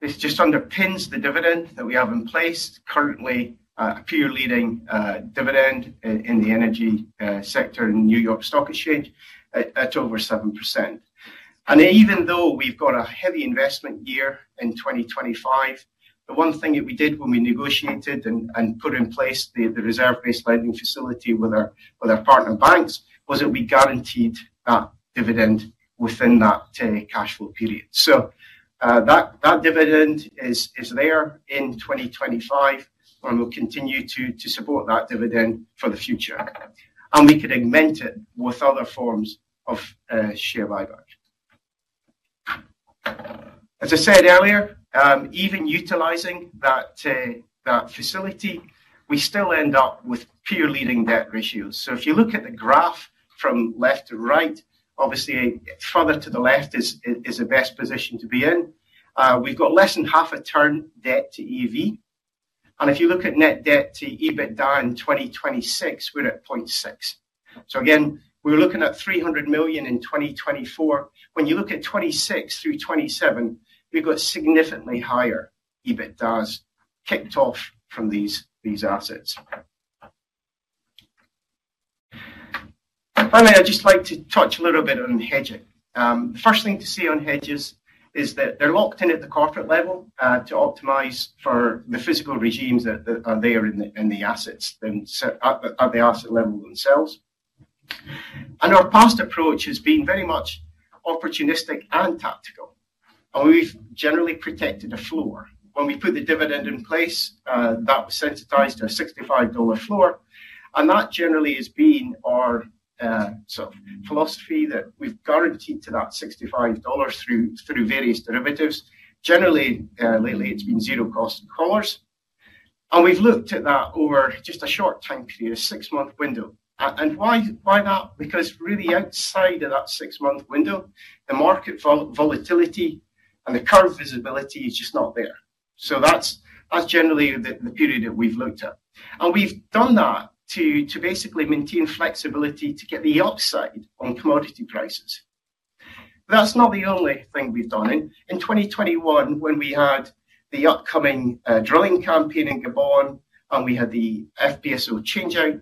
This just underpins the dividend that we have in place. Currently, a peer-leading dividend in the energy sector in New York Stock Exchange, it's over 7%. Even though we've got a heavy investment year in 2025, the one thing that we did when we negotiated and put in place the reserve-based lending facility with our partner banks was that we guaranteed that dividend within that cash flow period. That dividend is there in 2025, and we'll continue to support that dividend for the future. We could augment it with other forms of share buyback. As I said earlier, even utilizing that facility, we still end up with peer-leading debt ratios. If you look at the graph from left to right, obviously further to the left is a best position to be in. We've got less than half a turn debt to EV. If you look at net debt to EBITDA in 2026, we're at 0.6. We're looking at $300 million in 2024. When you look at 2026 through 2027, we've got significantly higher EBITDAs kicked off from these assets. Finally, I'd just like to touch a little bit on hedging. The first thing to say on hedges is that they're locked in at the corporate level to optimize for the physical regimes that are there in the assets at the asset level themselves. Our past approach has been very much opportunistic and tactical. We've generally protected a floor. When we put the dividend in place, that was synthesized to a $65 floor. That generally has been our sort of philosophy that we've guaranteed to that $65 through various derivatives. Generally, lately, it's been zero cost and colors. We have looked at that over just a short time period, a six-month window. Why that? Because really outside of that six-month window, the market volatility and the curve visibility is just not there. That is generally the period that we have looked at. We have done that to basically maintain flexibility to get the upside on commodity prices. That is not the only thing we have done. In 2021, when we had the upcoming drilling campaign in Gabon and we had the FPSO changeout,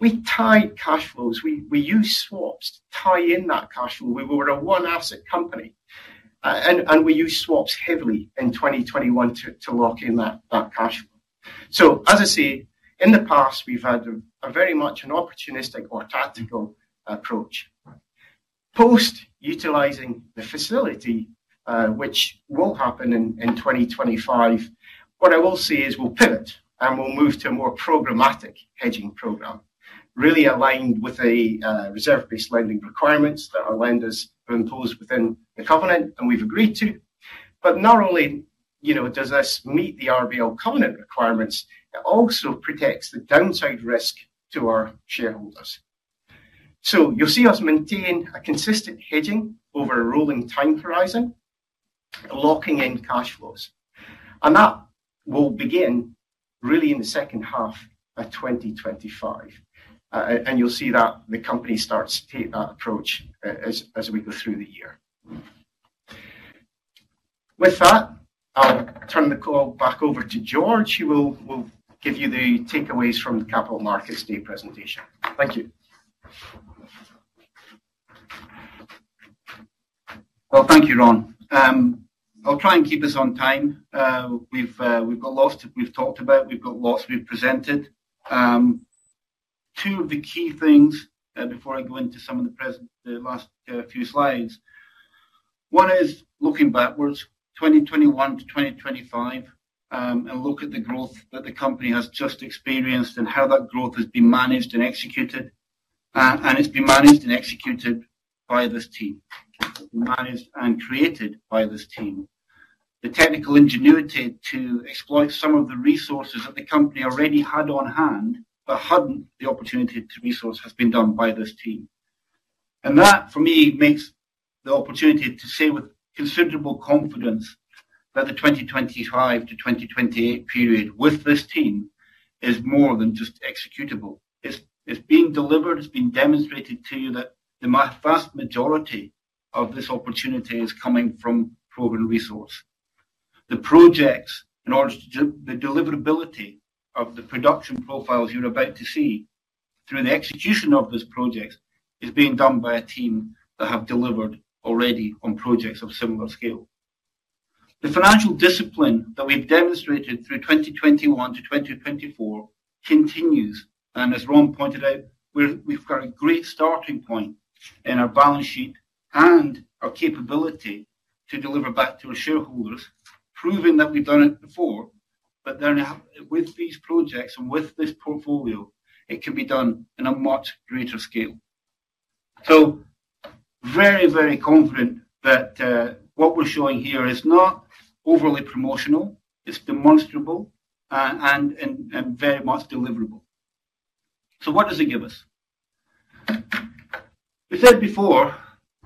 we tied cash flows. We used swaps to tie in that cash flow. We were a one-asset company. We used swaps heavily in 2021 to lock in that cash flow. As I say, in the past, we have had very much an opportunistic or tactical approach. Post utilizing the facility, which will happen in 2025, what I will say is we'll pivot and we'll move to a more programmatic hedging program, really aligned with the reserve-based lending requirements that our lenders have imposed within the covenant and we've agreed to. Not only does this meet the RBL covenant requirements, it also protects the downside risk to our shareholders. You'll see us maintain a consistent hedging over a rolling time horizon, locking in cash flows. That will begin really in the second half of 2025. You'll see that the company starts to take that approach as we go through the year. With that, I'll turn the call back over to George. He will give you the takeaways from the Capital Markets Day presentation. Thank you. Thank you, Ron. I'll try and keep us on time. We've got lots to talk about. We've got lots we've presented. Two of the key things before I go into some of the last few slides. One is looking backwards, 2021 to 2025, and look at the growth that the company has just experienced and how that growth has been managed and executed. It's been managed and executed by this team. Managed and created by this team. The technical ingenuity to exploit some of the resources that the company already had on hand, but hadn't the opportunity to resource has been done by this team. That, for me, makes the opportunity to say with considerable confidence that the 2025 to 2028 period with this team is more than just executable. It's being delivered. It's been demonstrated to you that the vast majority of this opportunity is coming from program resource. The projects, in order to the deliverability of the production profiles you're about to see through the execution of this project, is being done by a team that have delivered already on projects of similar scale. The financial discipline that we've demonstrated through 2021 to 2024 continues. As Ron pointed out, we've got a great starting point in our balance sheet and our capability to deliver back to our shareholders, proving that we've done it before. With these projects and with this portfolio, it can be done on a much greater scale. Very, very confident that what we're showing here is not overly promotional. It's demonstrable and very much deliverable. What does it give us? We said before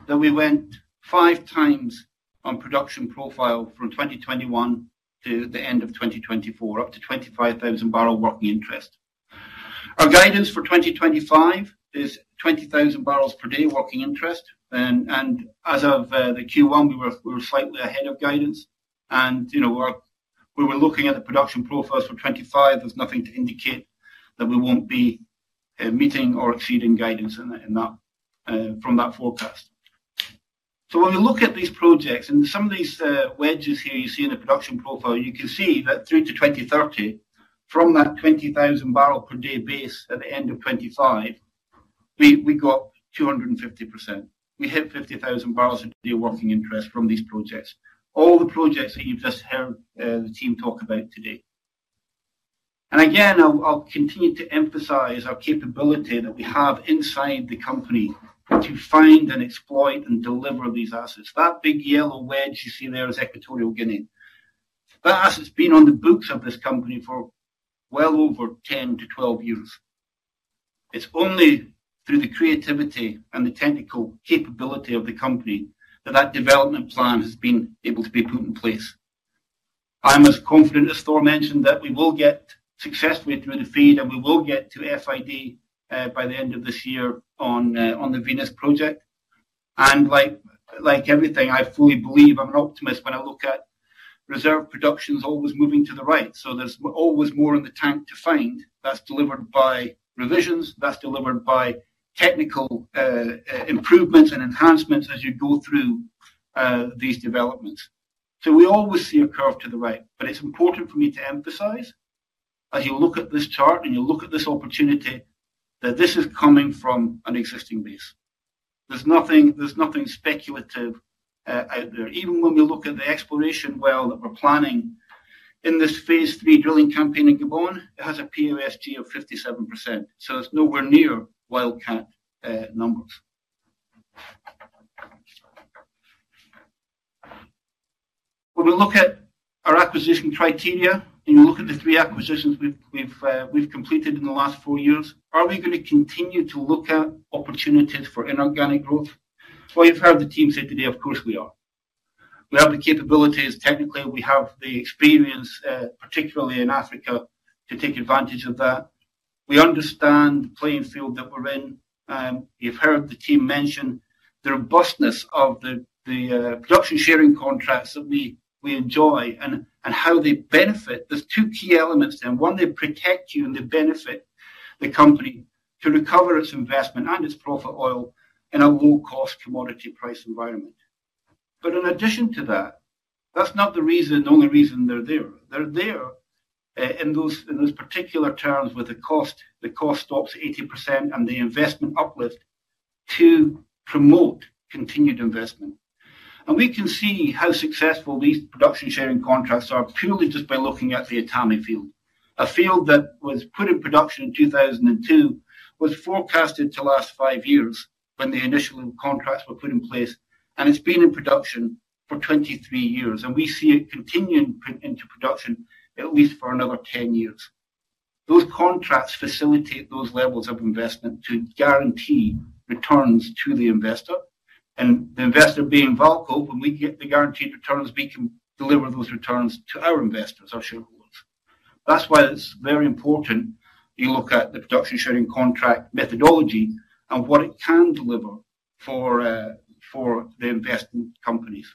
that we went five times on production profile from 2021 to the end of 2024, up to 25,000 barrel working interest. Our guidance for 2025 is 20,000 barrels per day working interest. As of the Q1, we were slightly ahead of guidance. We were looking at the production profiles for 2025. There is nothing to indicate that we will not be meeting or exceeding guidance from that forecast. When we look at these projects and some of these wedges here you see in the production profile, you can see that through to 2030, from that 20,000 barrel per day base at the end of 2025, we got 250%. We hit 50,000 barrels a day working interest from these projects. All the projects that you have just heard the team talk about today. Again, I will continue to emphasize our capability that we have inside the company to find and exploit and deliver these assets. That big yellow wedge you see there is Equatorial Guinea. That has been on the books of this company for well over 10 to 12 years. It's only through the creativity and the technical capability of the company that that development plan has been able to be put in place. I'm as confident as Thor mentioned that we will get successfully through the feed and we will get to FID by the end of this year on the Venus project. Like everything, I fully believe I'm an optimist when I look at reserve productions always moving to the right. There is always more in the tank to find. That's delivered by revisions. That's delivered by technical improvements and enhancements as you go through these developments. We always see a curve to the right. It is important for me to emphasize, as you look at this chart and you look at this opportunity, that this is coming from an existing base. There is nothing speculative out there. Even when we look at the exploration well that we are planning in this phase three drilling campaign in Gabon, it has a POSG of 57%. It is nowhere near wildcat numbers. When we look at our acquisition criteria and you look at the three acquisitions we have completed in the last four years, are we going to continue to look at opportunities for inorganic growth? You have heard the team say today, of course we are. We have the capabilities. Technically, we have the experience, particularly in Africa, to take advantage of that. We understand the playing field that we are in. You've heard the team mention the robustness of the production sharing contracts that we enjoy and how they benefit. There are two key elements there. One, they protect you and they benefit the company to recover its investment and its profit oil in a low-cost commodity price environment. In addition to that, that's not the only reason they're there. They're there in those particular terms with the cost stops at 80% and the investment uplift to promote continued investment. We can see how successful these production sharing contracts are purely just by looking at the Etame field. A field that was put in production in 2002 was forecasted to last five years when the initial contracts were put in place. It's been in production for 23 years. We see it continuing into production at least for another 10 years. Those contracts facilitate those levels of investment to guarantee returns to the investor. The investor being welcome, when we get the guaranteed returns, we can deliver those returns to our investors, our shareholders. That is why it is very important you look at the production sharing contract methodology and what it can deliver for the investment companies.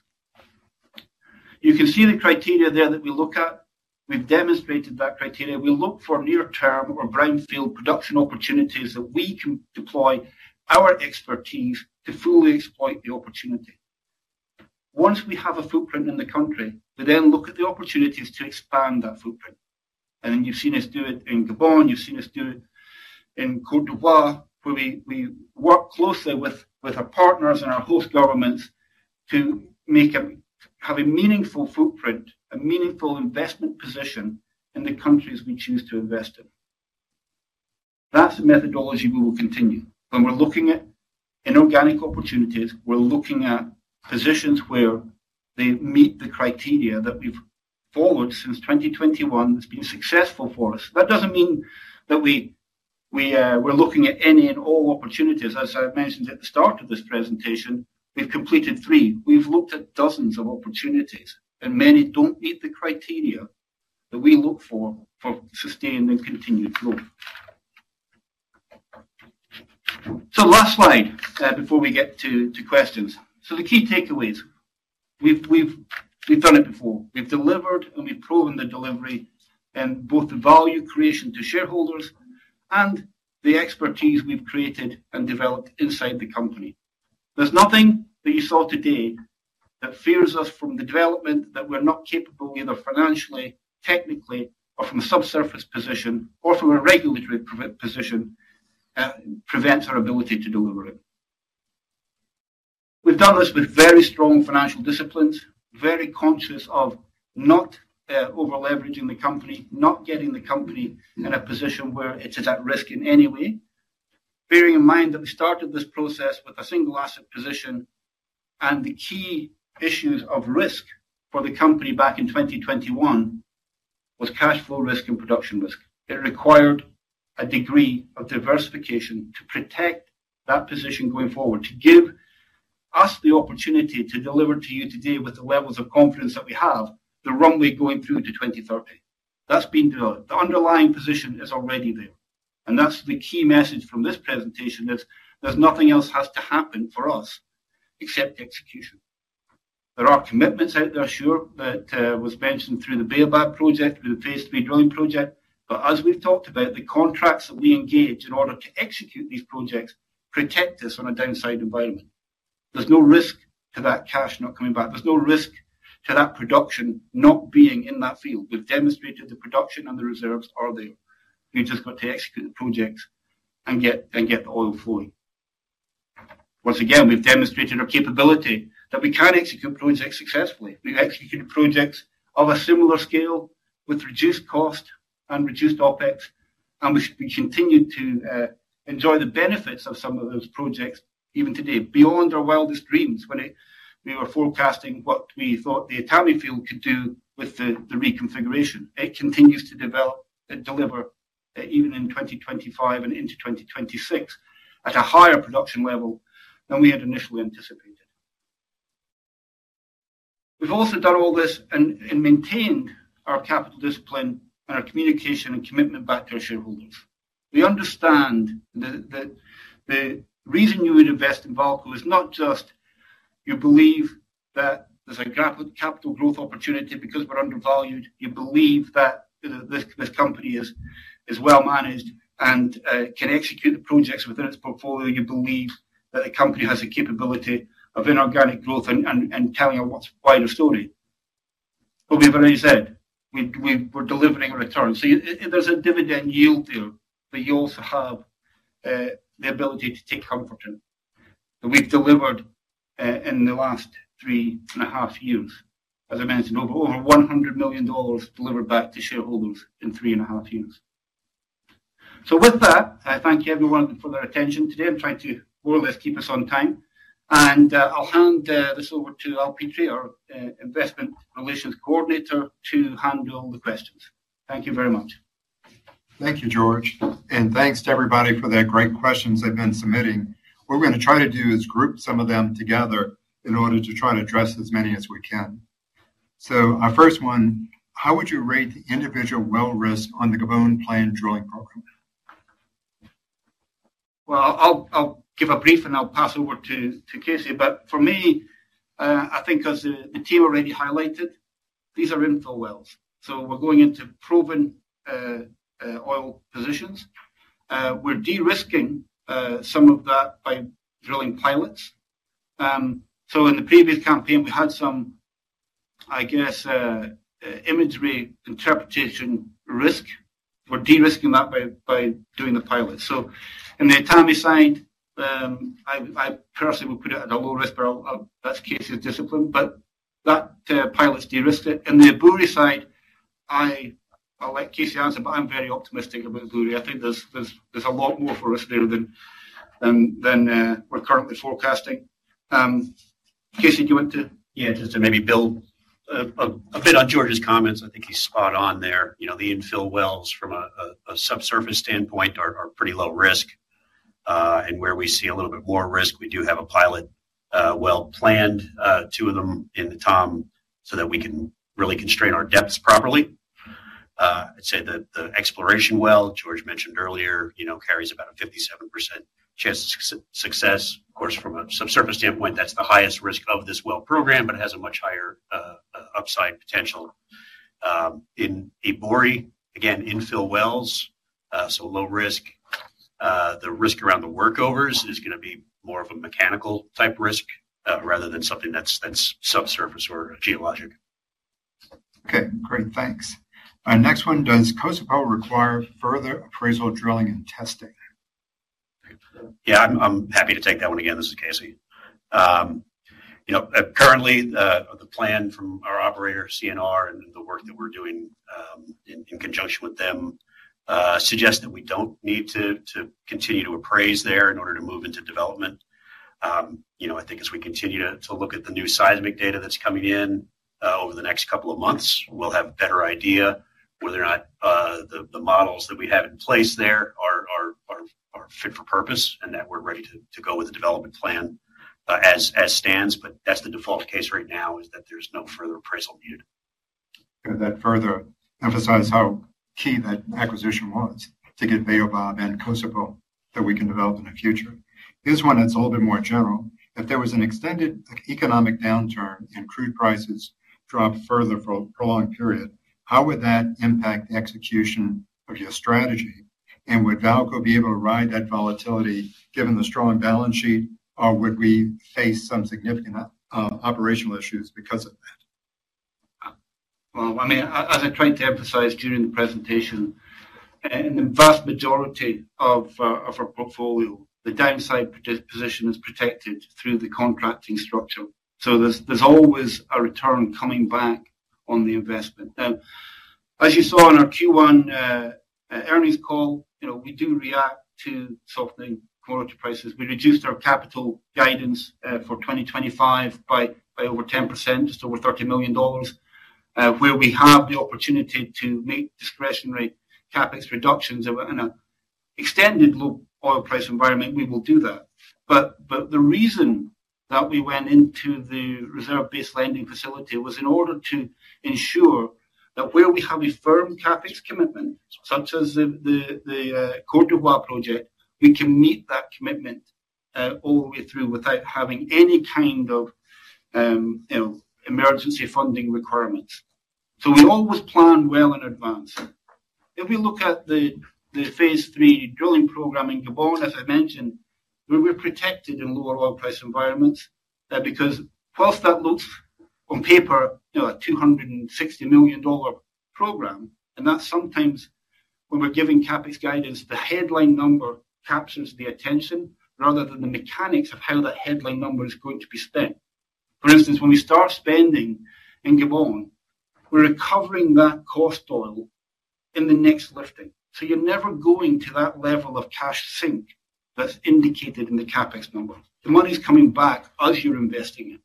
You can see the criteria there that we look at. We have demonstrated that criteria. We look for near-term or brownfield production opportunities that we can deploy our expertise to fully exploit the opportunity. Once we have a footprint in the country, we then look at the opportunities to expand that footprint. You have seen us do it in Gabon. You've seen us do it in Côte d'Ivoire, where we work closely with our partners and our host governments to have a meaningful footprint, a meaningful investment position in the countries we choose to invest in. That's the methodology we will continue. When we're looking at inorganic opportunities, we're looking at positions where they meet the criteria that we've followed since 2021 that's been successful for us. That doesn't mean that we're looking at any and all opportunities. As I mentioned at the start of this presentation, we've completed three. We've looked at dozens of opportunities, and many don't meet the criteria that we look for for sustained and continued growth. Last slide before we get to questions. The key takeaways. We've done it before. We've delivered, and we've proven the delivery in both the value creation to shareholders and the expertise we've created and developed inside the company. There's nothing that you saw today that fears us from the development that we're not capable either financially, technically, or from a subsurface position or from a regulatory position prevents our ability to deliver it. We've done this with very strong financial disciplines, very conscious of not over-leveraging the company, not getting the company in a position where it is at risk in any way. Bearing in mind that we started this process with a single asset position, and the key issues of risk for the company back in 2021 was cash flow risk and production risk. It required a degree of diversification to protect that position going forward, to give us the opportunity to deliver to you today with the levels of confidence that we have the runway going through to 2030. That has been developed. The underlying position is already there. That is the key message from this presentation, is there is nothing else has to happen for us except execution. There are commitments out there, sure, that were mentioned through the Baobab project, through the phase three drilling project. As we have talked about, the contracts that we engage in order to execute these projects protect us in a downside environment. There is no risk to that cash not coming back. There is no risk to that production not being in that field. We have demonstrated the production and the reserves are there. You have just got to execute the projects and get the oil flowing. Once again, we've demonstrated our capability that we can execute projects successfully. We've executed projects of a similar scale with reduced cost and reduced OPEX. We continue to enjoy the benefits of some of those projects even today, beyond our wildest dreams when we were forecasting what we thought the Etame field could do with the reconfiguration. It continues to develop and deliver even in 2025 and into 2026 at a higher production level than we had initially anticipated. We've also done all this and maintained our capital discipline and our communication and commitment back to our shareholders. We understand that the reason you would invest in VAALCO is not just you believe that there's a capital growth opportunity because we're undervalued. You believe that this company is well-managed and can execute the projects within its portfolio. You believe that the company has the capability of inorganic growth and telling a wider story. We have already said we are delivering a return. There is a dividend yield there, but you also have the ability to take comfort in it. We have delivered in the last three and a half years, as I mentioned, over $100 million delivered back to shareholders in three and a half years. With that, I thank everyone for their attention today. I am trying to more or less keep us on time. I will hand this over to Al Petrie, our Investor Relations Coordinator, to handle the questions. Thank you very much. Thank you, George. Thanks to everybody for their great questions they have been submitting. What we are going to try to do is group some of them together in order to try to address as many as we can. Our first one, how would you rate the individual well risk on the Gabon planned drilling program? I'll give a brief and I'll pass over to Casey. For me, I think as the team already highlighted, these are infill wells. We're going into proven oil positions. We're de-risking some of that by drilling pilots. In the previous campaign, we had some, I guess, imagery interpretation risk. We're de-risking that by doing the pilot. In the Etame side, I personally would put it at a low risk, but that's Casey's discipline. That pilot's de-risked it. In the Ebouri side, I'll let Casey answer, but I'm very optimistic about Ebouri. I think there's a lot more for us there than we're currently forecasting. Casey, do you want to? Yeah, just to maybe build a bit on George's comments, I think he's spot on there. The infill wells from a subsurface standpoint are pretty low risk. Where we see a little bit more risk, we do have a pilot well planned, two of them in the TOM, so that we can really constrain our depths properly. I'd say the exploration well, George mentioned earlier, carries about a 57% chance of success. Of course, from a subsurface standpoint, that's the highest risk of this well program, but it has a much higher upside potential. In Ebouri, again, infill wells, so low risk. The risk around the workovers is going to be more of a mechanical type risk rather than something that's subsurface or geologic. Okay. Great. Thanks. Next one, does CASIPO require further appraisal drilling and testing? Yeah, I'm happy to take that one again. This is Casey. Currently, the plan from our operator, CNR International, and the work that we're doing in conjunction with them suggests that we don't need to continue to appraise there in order to move into development. I think as we continue to look at the new seismic data that's coming in over the next couple of months, we'll have a better idea whether or not the models that we have in place there are fit for purpose and that we're ready to go with the development plan as stands. That is the default case right now, that there's no further appraisal needed. That further emphasized how key that acquisition was to get Baobab and CASIPO that we can develop in the future. Here's one that's a little bit more general. If there was an extended economic downturn and crude prices drop further for a prolonged period, how would that impact the execution of your strategy? Would VAALCO be able to ride that volatility given the strong balance sheet, or would we face some significant operational issues because of that? I mean, as I tried to emphasize during the presentation, in the vast majority of our portfolio, the downside position is protected through the contracting structure. There is always a return coming back on the investment. As you saw in our Q1 earnings call, we do react to softening commodity prices. We reduced our capital guidance for 2025 by over 10%, just over $30 million, where we have the opportunity to make discretionary CapEx reductions. In an extended low oil price environment, we will do that. The reason that we went into the reserve-based lending facility was in order to ensure that where we have a firm CapEx commitment, such as the Côte d'Ivoire project, we can meet that commitment all the way through without having any kind of emergency funding requirements. We always plan well in advance. If we look at the phase three drilling program in Gabon, as I mentioned, we were protected in lower oil price environments because whilst that looks on paper a $260 million program, and that's sometimes when we're giving CapEx guidance, the headline number captures the attention rather than the mechanics of how that headline number is going to be spent. For instance, when we start spending in Gabon, we're recovering that cost oil in the next lifting. You're never going to that level of cash sink that's indicated in the CapEx number. The money's coming back as you're investing it.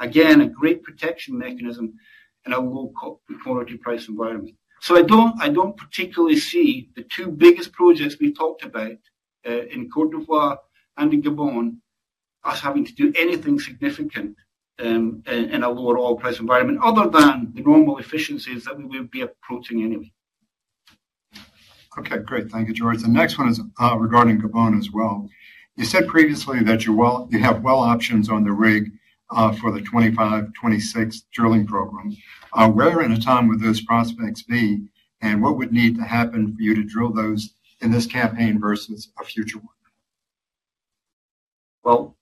Again, a great protection mechanism in a low commodity price environment. I don't particularly see the two biggest projects we've talked about in Côte d'Ivoire and in Gabon as having to do anything significant in a lower oil price environment other than the normal efficiencies that we would be approaching anyway. Okay. Great. Thank you, George. The next one is regarding Gabon as well. You said previously that you have well options on the rig for the 2025, 2026 drilling program. Where in time would those prospects be, and what would need to happen for you to drill those in this campaign versus a future one?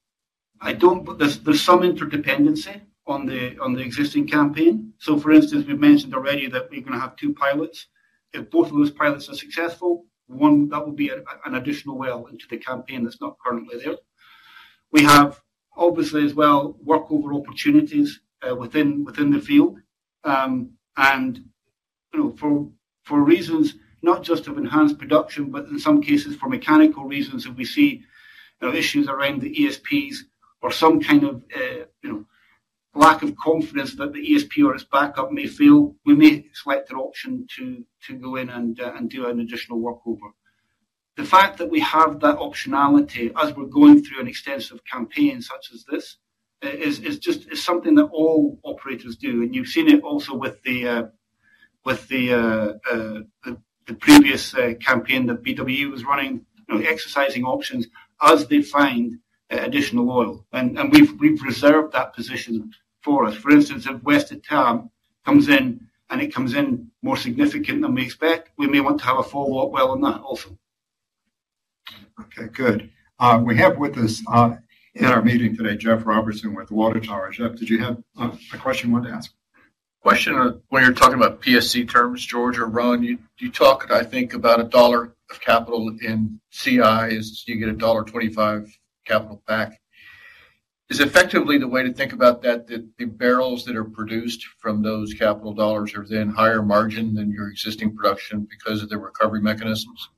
There's some interdependency on the existing campaign. For instance, we've mentioned already that we're going to have two pilots. If both of those pilots are successful, one that will be an additional well into the campaign that's not currently there. We have, obviously, as well, workover opportunities within the field. And for reasons not just of enhanced production, but in some cases for mechanical reasons, if we see issues around the ESPs or some kind of lack of confidence that the ESP or its backup may fail, we may select an option to go in and do an additional workover. The fact that we have that optionality as we're going through an extensive campaign such as this is something that all operators do. You have seen it also with the previous campaign that BW Energy was running, exercising options as they find additional oil. We have reserved that position for us. For instance, if West Etame comes in and it comes in more significant than we expect, we may want to have a follow-up well on that also. Okay. Good. We have with us in our meeting today, Jeff Robertson with Water Tower. Jeff, did you have a question you wanted to ask? Question. When you're talking about PSC terms, George or Ron, you talked, I think, about a dollar of capital in CIs. You get a $1.25 capital back. Is effectively the way to think about that, that the barrels that are produced from those capital dollars are then higher margin than your existing production because of the recovery mechanisms?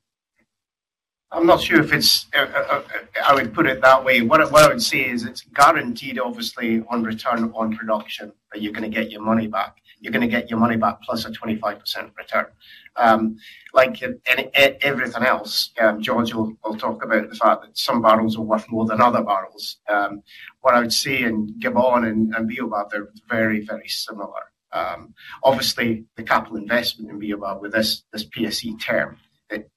I'm not sure if it's—I would put it that way. What I would see is it's guaranteed, obviously, on return on production that you're going to get your money back. You're going to get your money back plus a 25% return. Like everything else, George will talk about the fact that some barrels are worth more than other barrels. What I would see in Gabon and Baobab, they're very, very similar. Obviously, the capital investment in Baobab with this PSC term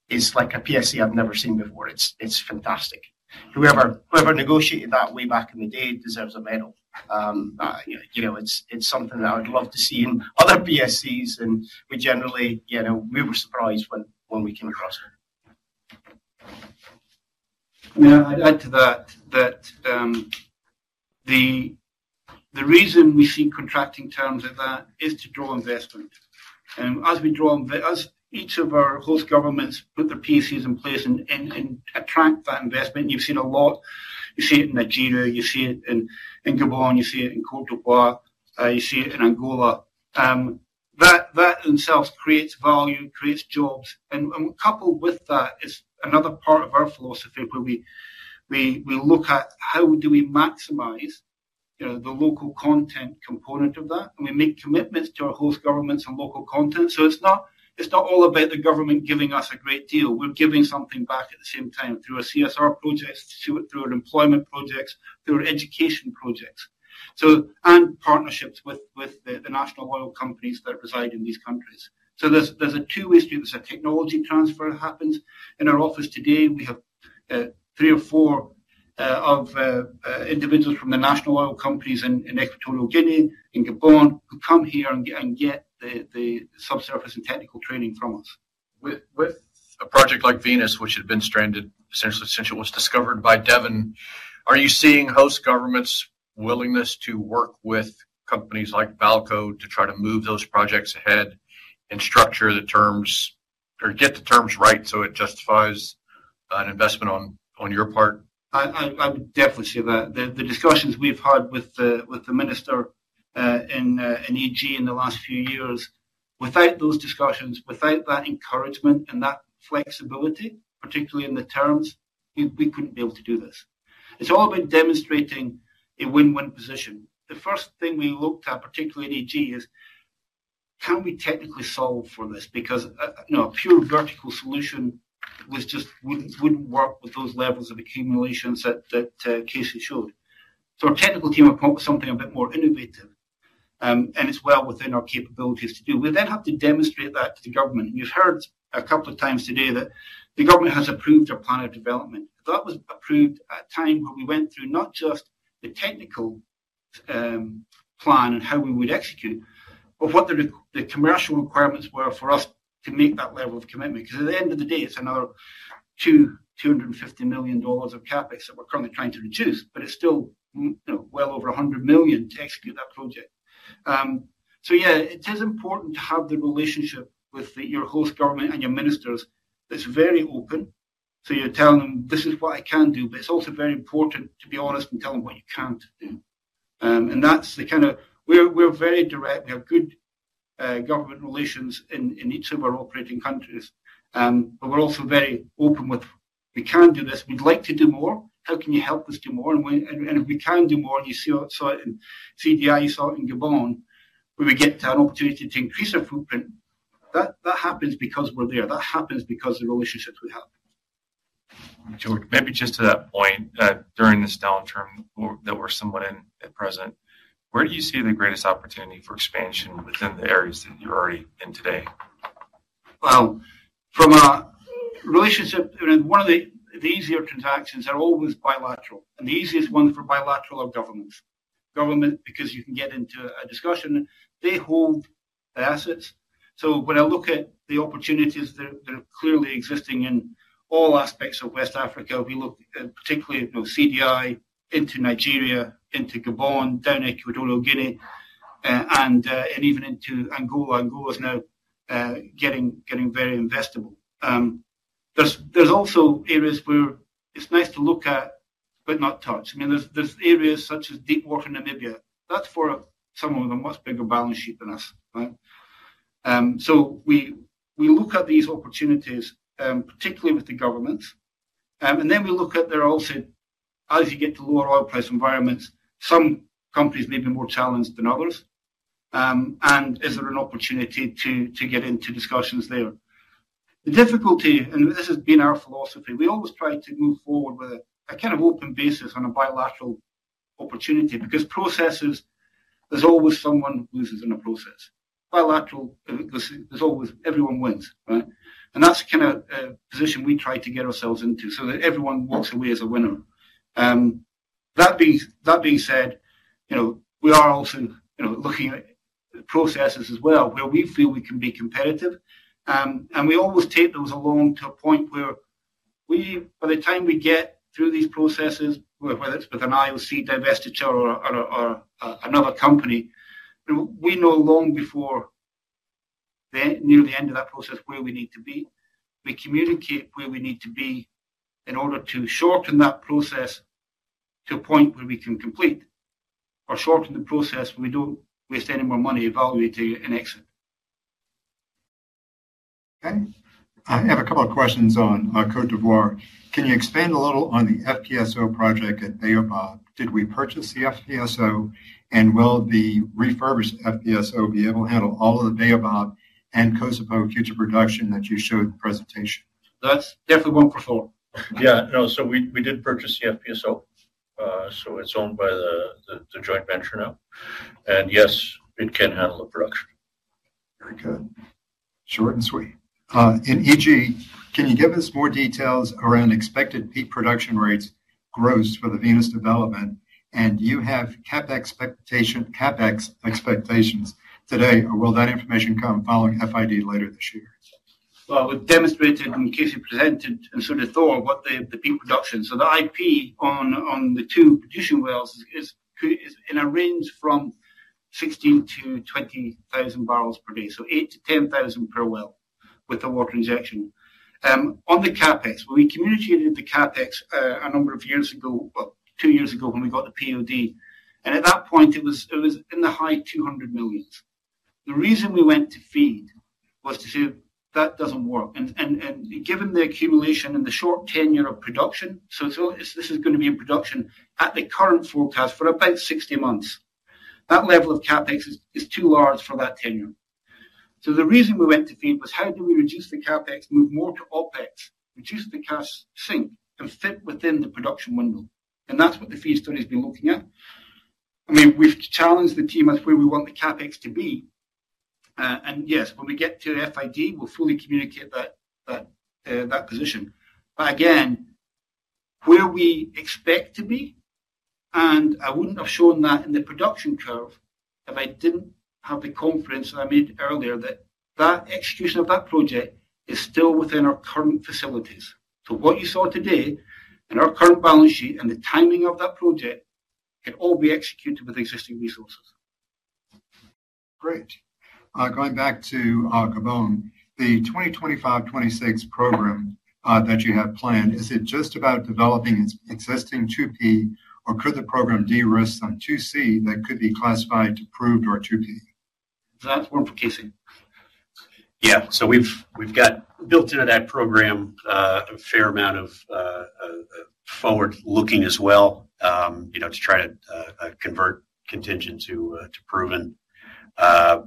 is like a PSC I've never seen before. It's fantastic. Whoever negotiated that way back in the day deserves a medal. It's something that I would love to see in other PSCs. We generally—we were surprised when we came across it. I'd add to that that the reason we see contracting terms like that is to draw investment. As each of our host governments put the PSCs in place and attract that investment, you've seen a lot. You see it in Nigeria. You see it in Gabon. You see it in Côte d'Ivoire. You see it in Angola. That in itself creates value, creates jobs. Coupled with that is another part of our philosophy where we look at how do we maximize the local content component of that. We make commitments to our host governments and local content. It is not all about the government giving us a great deal. We are giving something back at the same time through our CSR projects, through our employment projects, through our education projects, and partnerships with the national oil companies that reside in these countries. There is a two-way street. There is a technology transfer that happens. In our office today, we have three or four individuals from the national oil companies in Equatorial Guinea and Gabon who come here and get the subsurface and technical training from us. With a project like Venus, which had been stranded essentially since it was discovered by Devon, are you seeing host governments' willingness to work with companies like VAALCO to try to move those projects ahead and structure the terms or get the terms right so it justifies an investment on your part? I would definitely see that. The discussions we've had with the minister in Equatorial Guinea in the last few years, without those discussions, without that encouragement and that flexibility, particularly in the terms, we couldn't be able to do this. It's all about demonstrating a win-win position. The first thing we looked at, particularly in Equatorial Guinea, is can we technically solve for this? Because a pure vertical solution wouldn't work with those levels of accumulation that Casey showed. So our technical team would come up with something a bit more innovative, and it's well within our capabilities to do. We then have to demonstrate that to the government. You've heard a couple of times today that the government has approved a plan of development. That was approved at a time where we went through not just the technical plan and how we would execute, but what the commercial requirements were for us to make that level of commitment. Because at the end of the day, it's another $250 million of CapEx that we're currently trying to reduce, but it's still well over $100 million to execute that project. Yeah, it is important to have the relationship with your host government and your ministers that's very open. You're telling them, "This is what I can do," but it's also very important to be honest and tell them what you can't do. That's the kind of—we're very direct. We have good government relations in each of our operating countries, but we're also very open with, "We can do this. We'd like to do more. How can you help us do more?" If we can do more, and you saw it in Côte d'Ivoire, you saw it in Gabon, where we get an opportunity to increase our footprint, that happens because we're there. That happens because of the relationships we have. George, maybe just to that point, during this downturn that we're somewhat in at present, where do you see the greatest opportunity for expansion within the areas that you're already in today? From a relationship, one of the easier transactions are always bilateral. The easiest ones for bilateral are governments. Government, because you can get into a discussion, they hold the assets. When I look at the opportunities that are clearly existing in all aspects of West Africa, we look particularly at Côte d'Ivoire, into Nigeria, into Gabon, down to Equatorial Guinea, and even into Angola. Angola is now getting very investable. There are also areas where it's nice to look at but not touch. I mean, there are areas such as Deepwater Namibia. That's for some of the much bigger balance sheets than us. We look at these opportunities, particularly with the governments. Then we look at, as you get to lower oil price environments, some companies may be more challenged than others. Is there an opportunity to get into discussions there? The difficulty, and this has been our philosophy, is we always try to move forward with a kind of open basis on a bilateral opportunity because processes, there's always someone who loses in a process. Bilateral, there's always everyone wins. That is the kind of position we try to get ourselves into so that everyone walks away as a winner. That being said, we are also looking at processes as well where we feel we can be competitive. We always take those along to a point where by the time we get through these processes, whether it is with an IOC divestiture or another company, we know long before near the end of that process where we need to be. We communicate where we need to be in order to shorten that process to a point where we can complete or shorten the process where we do not waste any more money evaluating an exit. Okay. I have a couple of questions on Côte d'Ivoire. Can you expand a little on the FPSO project at Baobab? Did we purchase the FPSO, and will the refurbished FPSO be able to handle all of the Baobab and CASIPO future production that you showed in the presentation? That's definitely one for sure. Yeah. No, so we did purchase the FPSO. So it's owned by the joint venture now. And yes, it can handle the production. Very good. Short and sweet. In EG, can you give us more details around expected peak production rates gross for the Venus development? And do you have CapEx expectations today? Will that information come following FID later this year? It was demonstrated in case you presented through the Thor what the peak production. So the IP on the two producing wells is in a range from 16,000-20,000 barrels per day. So 8,000-10,000 per well with the water injection. On the CapEx, we communicated the CapEx a number of years ago, two years ago when we got the POD. At that point, it was in the high $200 million. The reason we went to FEED was to say, "That does not work." Given the accumulation and the short tenure of production, this is going to be in production at the current forecast for about 60 months. That level of CapEx is too large for that tenure. The reason we went to FEED was, how do we reduce the CapEx, move more to OPEX, reduce the cash sink, and fit within the production window? That is what the FEED study has been looking at. I mean, we have challenged the team as to where we want the CapEx to be. Yes, when we get to FID, we will fully communicate that position. Again, where we expect to be, and I would not have shown that in the production curve if I did not have the confidence that I made earlier that that execution of that project is still within our current facilities. What you saw today in our current balance sheet and the timing of that project can all be executed with existing resources. Great. Going back to Gabon, the 2025-2026 program that you have planned, is it just about developing its existing 2P, or could the program de-risk some 2C that could be classified to proved or 2P? That is one for Casey. Yeah. We have built into that program a fair amount of forward-looking as well to try to convert contingent to proven. I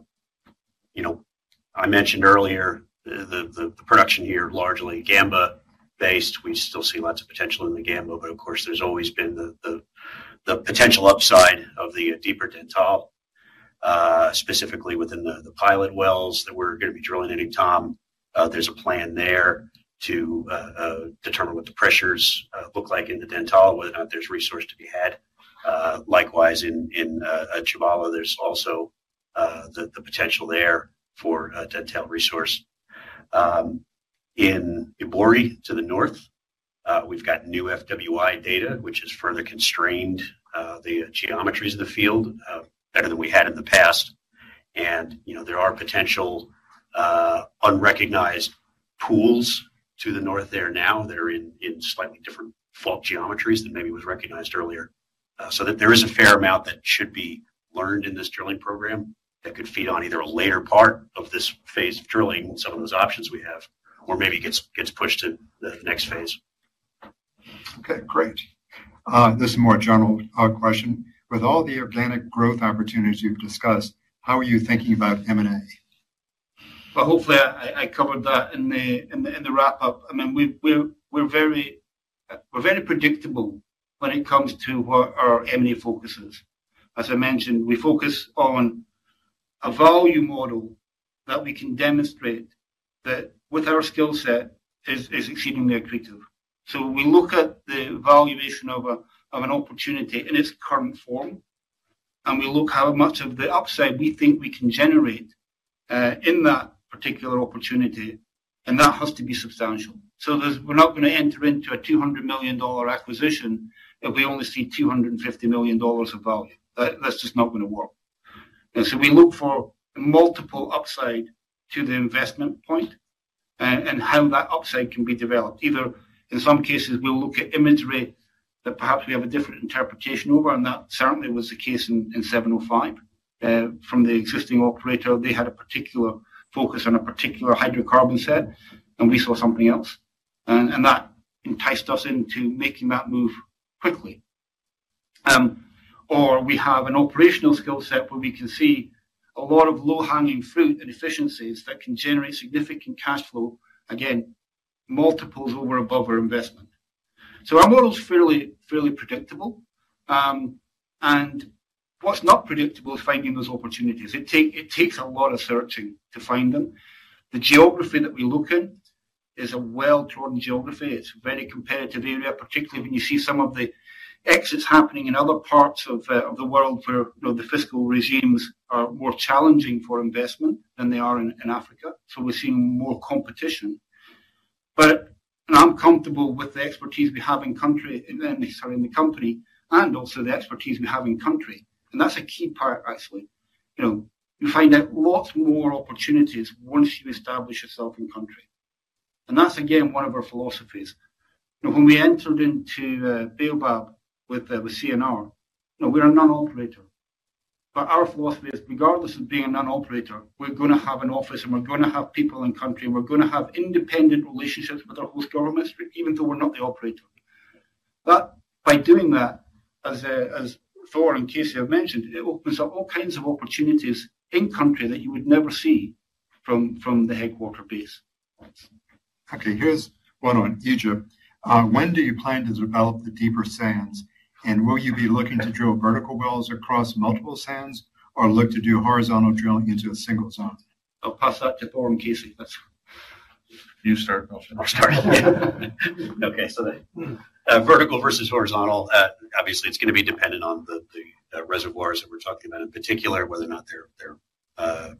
mentioned earlier the production here largely Gamba-based. We still see lots of potential in the Gamba, but of course, there's always been the potential upside of the deeper Dentale, specifically within the pilot wells that we're going to be drilling in Etame. There's a plan there to determine what the pressures look like in the Dentale, whether or not there's resource to be had. Likewise, in Chibala, there's also the potential there for Dentale resource. In Ebouri, to the north, we've got new FWI data, which has further constrained the geometries of the field better than we had in the past. There are potential unrecognized pools to the north there now that are in slightly different fault geometries than maybe was recognized earlier. There is a fair amount that should be learned in this drilling program that could feed on either a later part of this phase of drilling and some of those options we have, or maybe gets pushed to the next phase. Okay. Great. This is a more general question. With all the organic growth opportunities you have discussed, how are you thinking about M&A? Hopefully, I covered that in the wrap-up. I mean, we are very predictable when it comes to what our M&A focus is. As I mentioned, we focus on a value model that we can demonstrate that with our skill set is exceedingly accretive. We look at the valuation of an opportunity in its current form, and we look at how much of the upside we think we can generate in that particular opportunity, and that has to be substantial. We're not going to enter into a $200 million acquisition if we only see $250 million of value. That's just not going to work. We look for multiple upside to the investment point and how that upside can be developed. Either in some cases, we'll look at imagery that perhaps we have a different interpretation over, and that certainly was the case in 705 from the existing operator. They had a particular focus on a particular hydrocarbon set, and we saw something else. That enticed us into making that move quickly. Or we have an operational skill set where we can see a lot of low-hanging fruit and efficiencies that can generate significant cash flow, again, multiples over and above our investment. Our model is fairly predictable. What's not predictable is finding those opportunities. It takes a lot of searching to find them. The geography that we look in is a well-drawn geography. It's a very competitive area, particularly when you see some of the exits happening in other parts of the world where the fiscal regimes are more challenging for investment than they are in Africa. We're seeing more competition. I'm comfortable with the expertise we have in the country and also the expertise we have in country. That's a key part, actually. You find out lots more opportunities once you establish yourself in country. That's, again, one of our philosophies. When we entered into Baobab with CNR, we're a non-operator. Our philosophy is, regardless of being a non-operator, we're going to have an office, and we're going to have people in country, and we're going to have independent relationships with our host governments, even though we're not the operator. By doing that, as Thor and Casey have mentioned, it opens up all kinds of opportunities in country that you would never see from the headquarter base. Okay. Here is one on EG. When do you plan to develop the deeper sands? And will you be looking to drill vertical wells across multiple sands or look to do horizontal drilling into a single zone? I'll pass that to Thor and Casey. You start. I'll start. Okay. So vertical versus horizontal, obviously, it's going to be dependent on the reservoirs that we're talking about, in particular, whether or not they're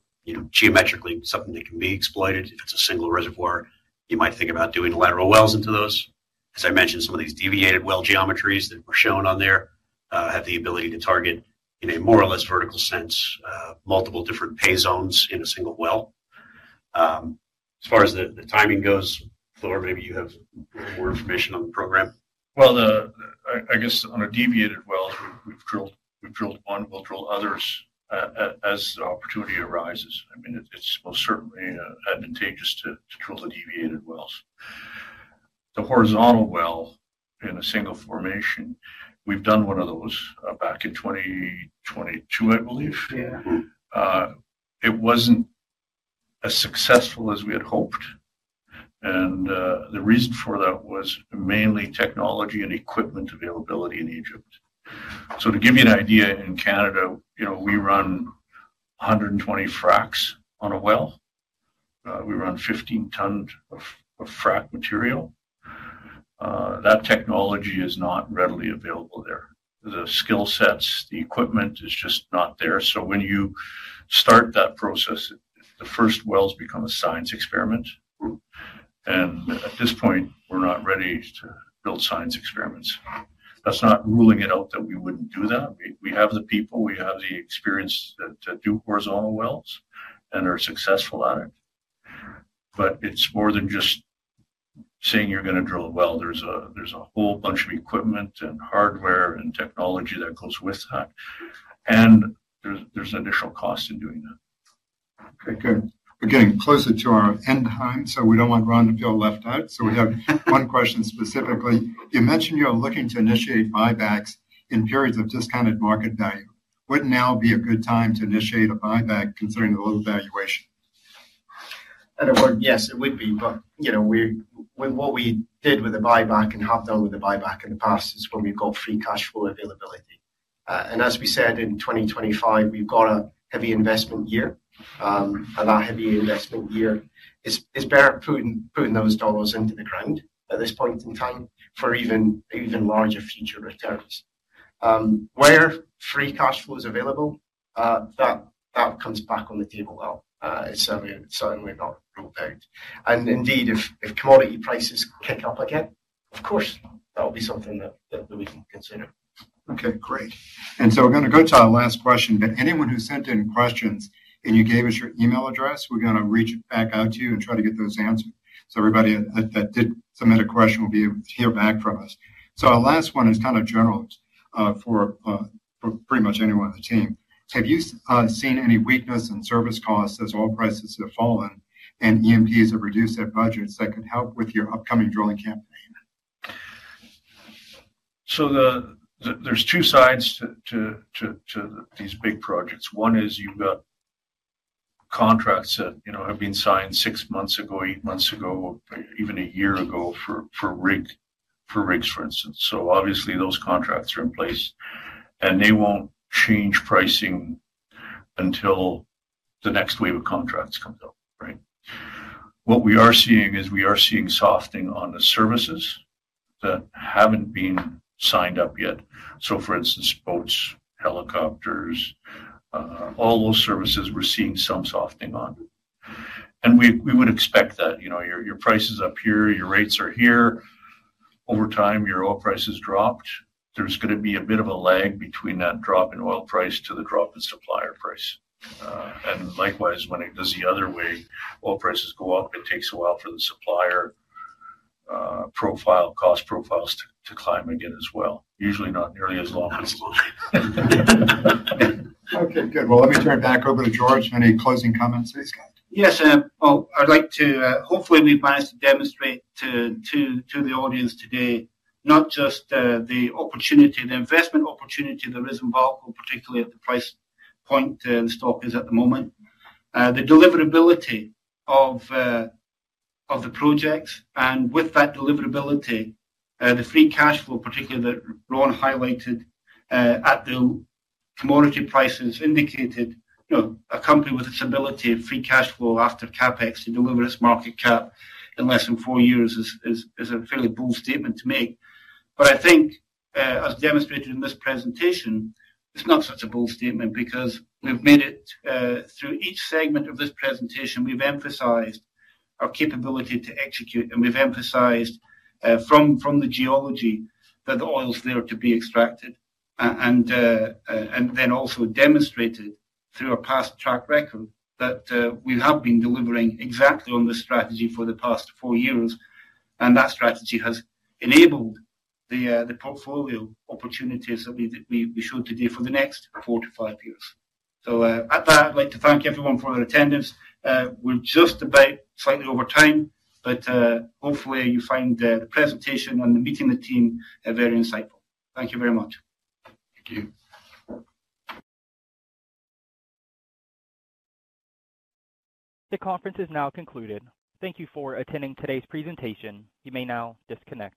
geometrically something that can be exploited. If it's a single reservoir, you might think about doing lateral wells into those. As I mentioned, some of these deviated well geometries that were shown on there have the ability to target, in a more or less vertical sense, multiple different pay zones in a single well. As far as the timing goes, Thor, maybe you have more information on the program. I guess on a deviated well, we've drilled one. We'll drill others as the opportunity arises. I mean, it's most certainly advantageous to drill the deviated wells. The horizontal well in a single formation, we've done one of those back in 2022, I believe. It wasn't as successful as we had hoped. The reason for that was mainly technology and equipment availability in Egypt. To give you an idea, in Canada, we run 120 fracts on a well. We run 15 tons of fract material. That technology is not readily available there. The skill sets, the equipment is just not there. When you start that process, the first wells become a science experiment. At this point, we're not ready to build science experiments. That's not ruling it out that we wouldn't do that. We have the people. We have the experience to do horizontal wells and are successful at it. It is more than just saying you're going to drill a well. There is a whole bunch of equipment and hardware and technology that goes with that. There is an additional cost in doing that. Okay. Good. We're getting closer to our end time, so we do not want Ron to feel left out. We have one question specifically. You mentioned you're looking to initiate buybacks in periods of discounted market value. Would now be a good time to initiate a buyback considering the low valuation? Yes, it would be. What we did with the buyback and half done with the buyback in the past is when we have got free cash flow availability. As we said in 2025, we have got a heavy investment year. That heavy investment year is better putting those dollars into the ground at this point in time for even larger future returns. Where free cash flow is available, that comes back on the table as well. It is certainly not ruled out. Indeed, if commodity prices kick up again, of course, that will be something that we can consider. Okay. Great. We are going to go to our last question. Anyone who sent in questions and gave us your email address, we are going to reach back out to you and try to get those answered. Everybody that did submit a question will be able to hear back from us. Our last one is kind of general for pretty much anyone on the team. Have you seen any weakness in service costs as oil prices have fallen and E&Ps have reduced their budgets that could help with your upcoming drilling campaign? There are two sides to these big projects. One is you have contracts that have been signed six months ago, eight months ago, even a year ago for rigs, for instance. Obviously, those contracts are in place, and they will not change pricing until the next wave of contracts comes out, right? What we are seeing is we are seeing softening on the services that have not been signed up yet. For instance, boats, helicopters, all those services, we are seeing some softening on. We would expect that. Your price is up here. Your rates are here. Over time, your oil prices dropped. There's going to be a bit of a lag between that drop in oil price to the drop in supplier price. Likewise, when it goes the other way, oil prices go up. It takes a while for the supplier cost profiles to climb again as well. Usually not nearly as long as it's supposed to. Good. Let me turn it back over to George. Any closing comments that he's got? Yes, sir. I'd like to hopefully, we've managed to demonstrate to the audience today not just the investment opportunity that is involved, but particularly at the price point the stock is at the moment, the deliverability of the projects. With that deliverability, the free cash flow, particularly that Ron highlighted at the commodity prices, indicated a company with its ability of free cash flow after CapEx to deliver its market cap in less than four years is a fairly bold statement to make. I think, as demonstrated in this presentation, it's not such a bold statement because we've made it through each segment of this presentation, we've emphasized our capability to execute, and we've emphasized from the geology that the oil is there to be extracted. We also demonstrated through our past track record that we have been delivering exactly on the strategy for the past four years. That strategy has enabled the portfolio opportunities that we showed today for the next four to five years. At that, I'd like to thank everyone for their attendance. We're just about slightly over time, but hopefully, you find the presentation and the meeting with the team very insightful. Thank you very much. Thank you. The conference is now concluded. Thank you for attending today's presentation. You may now disconnect.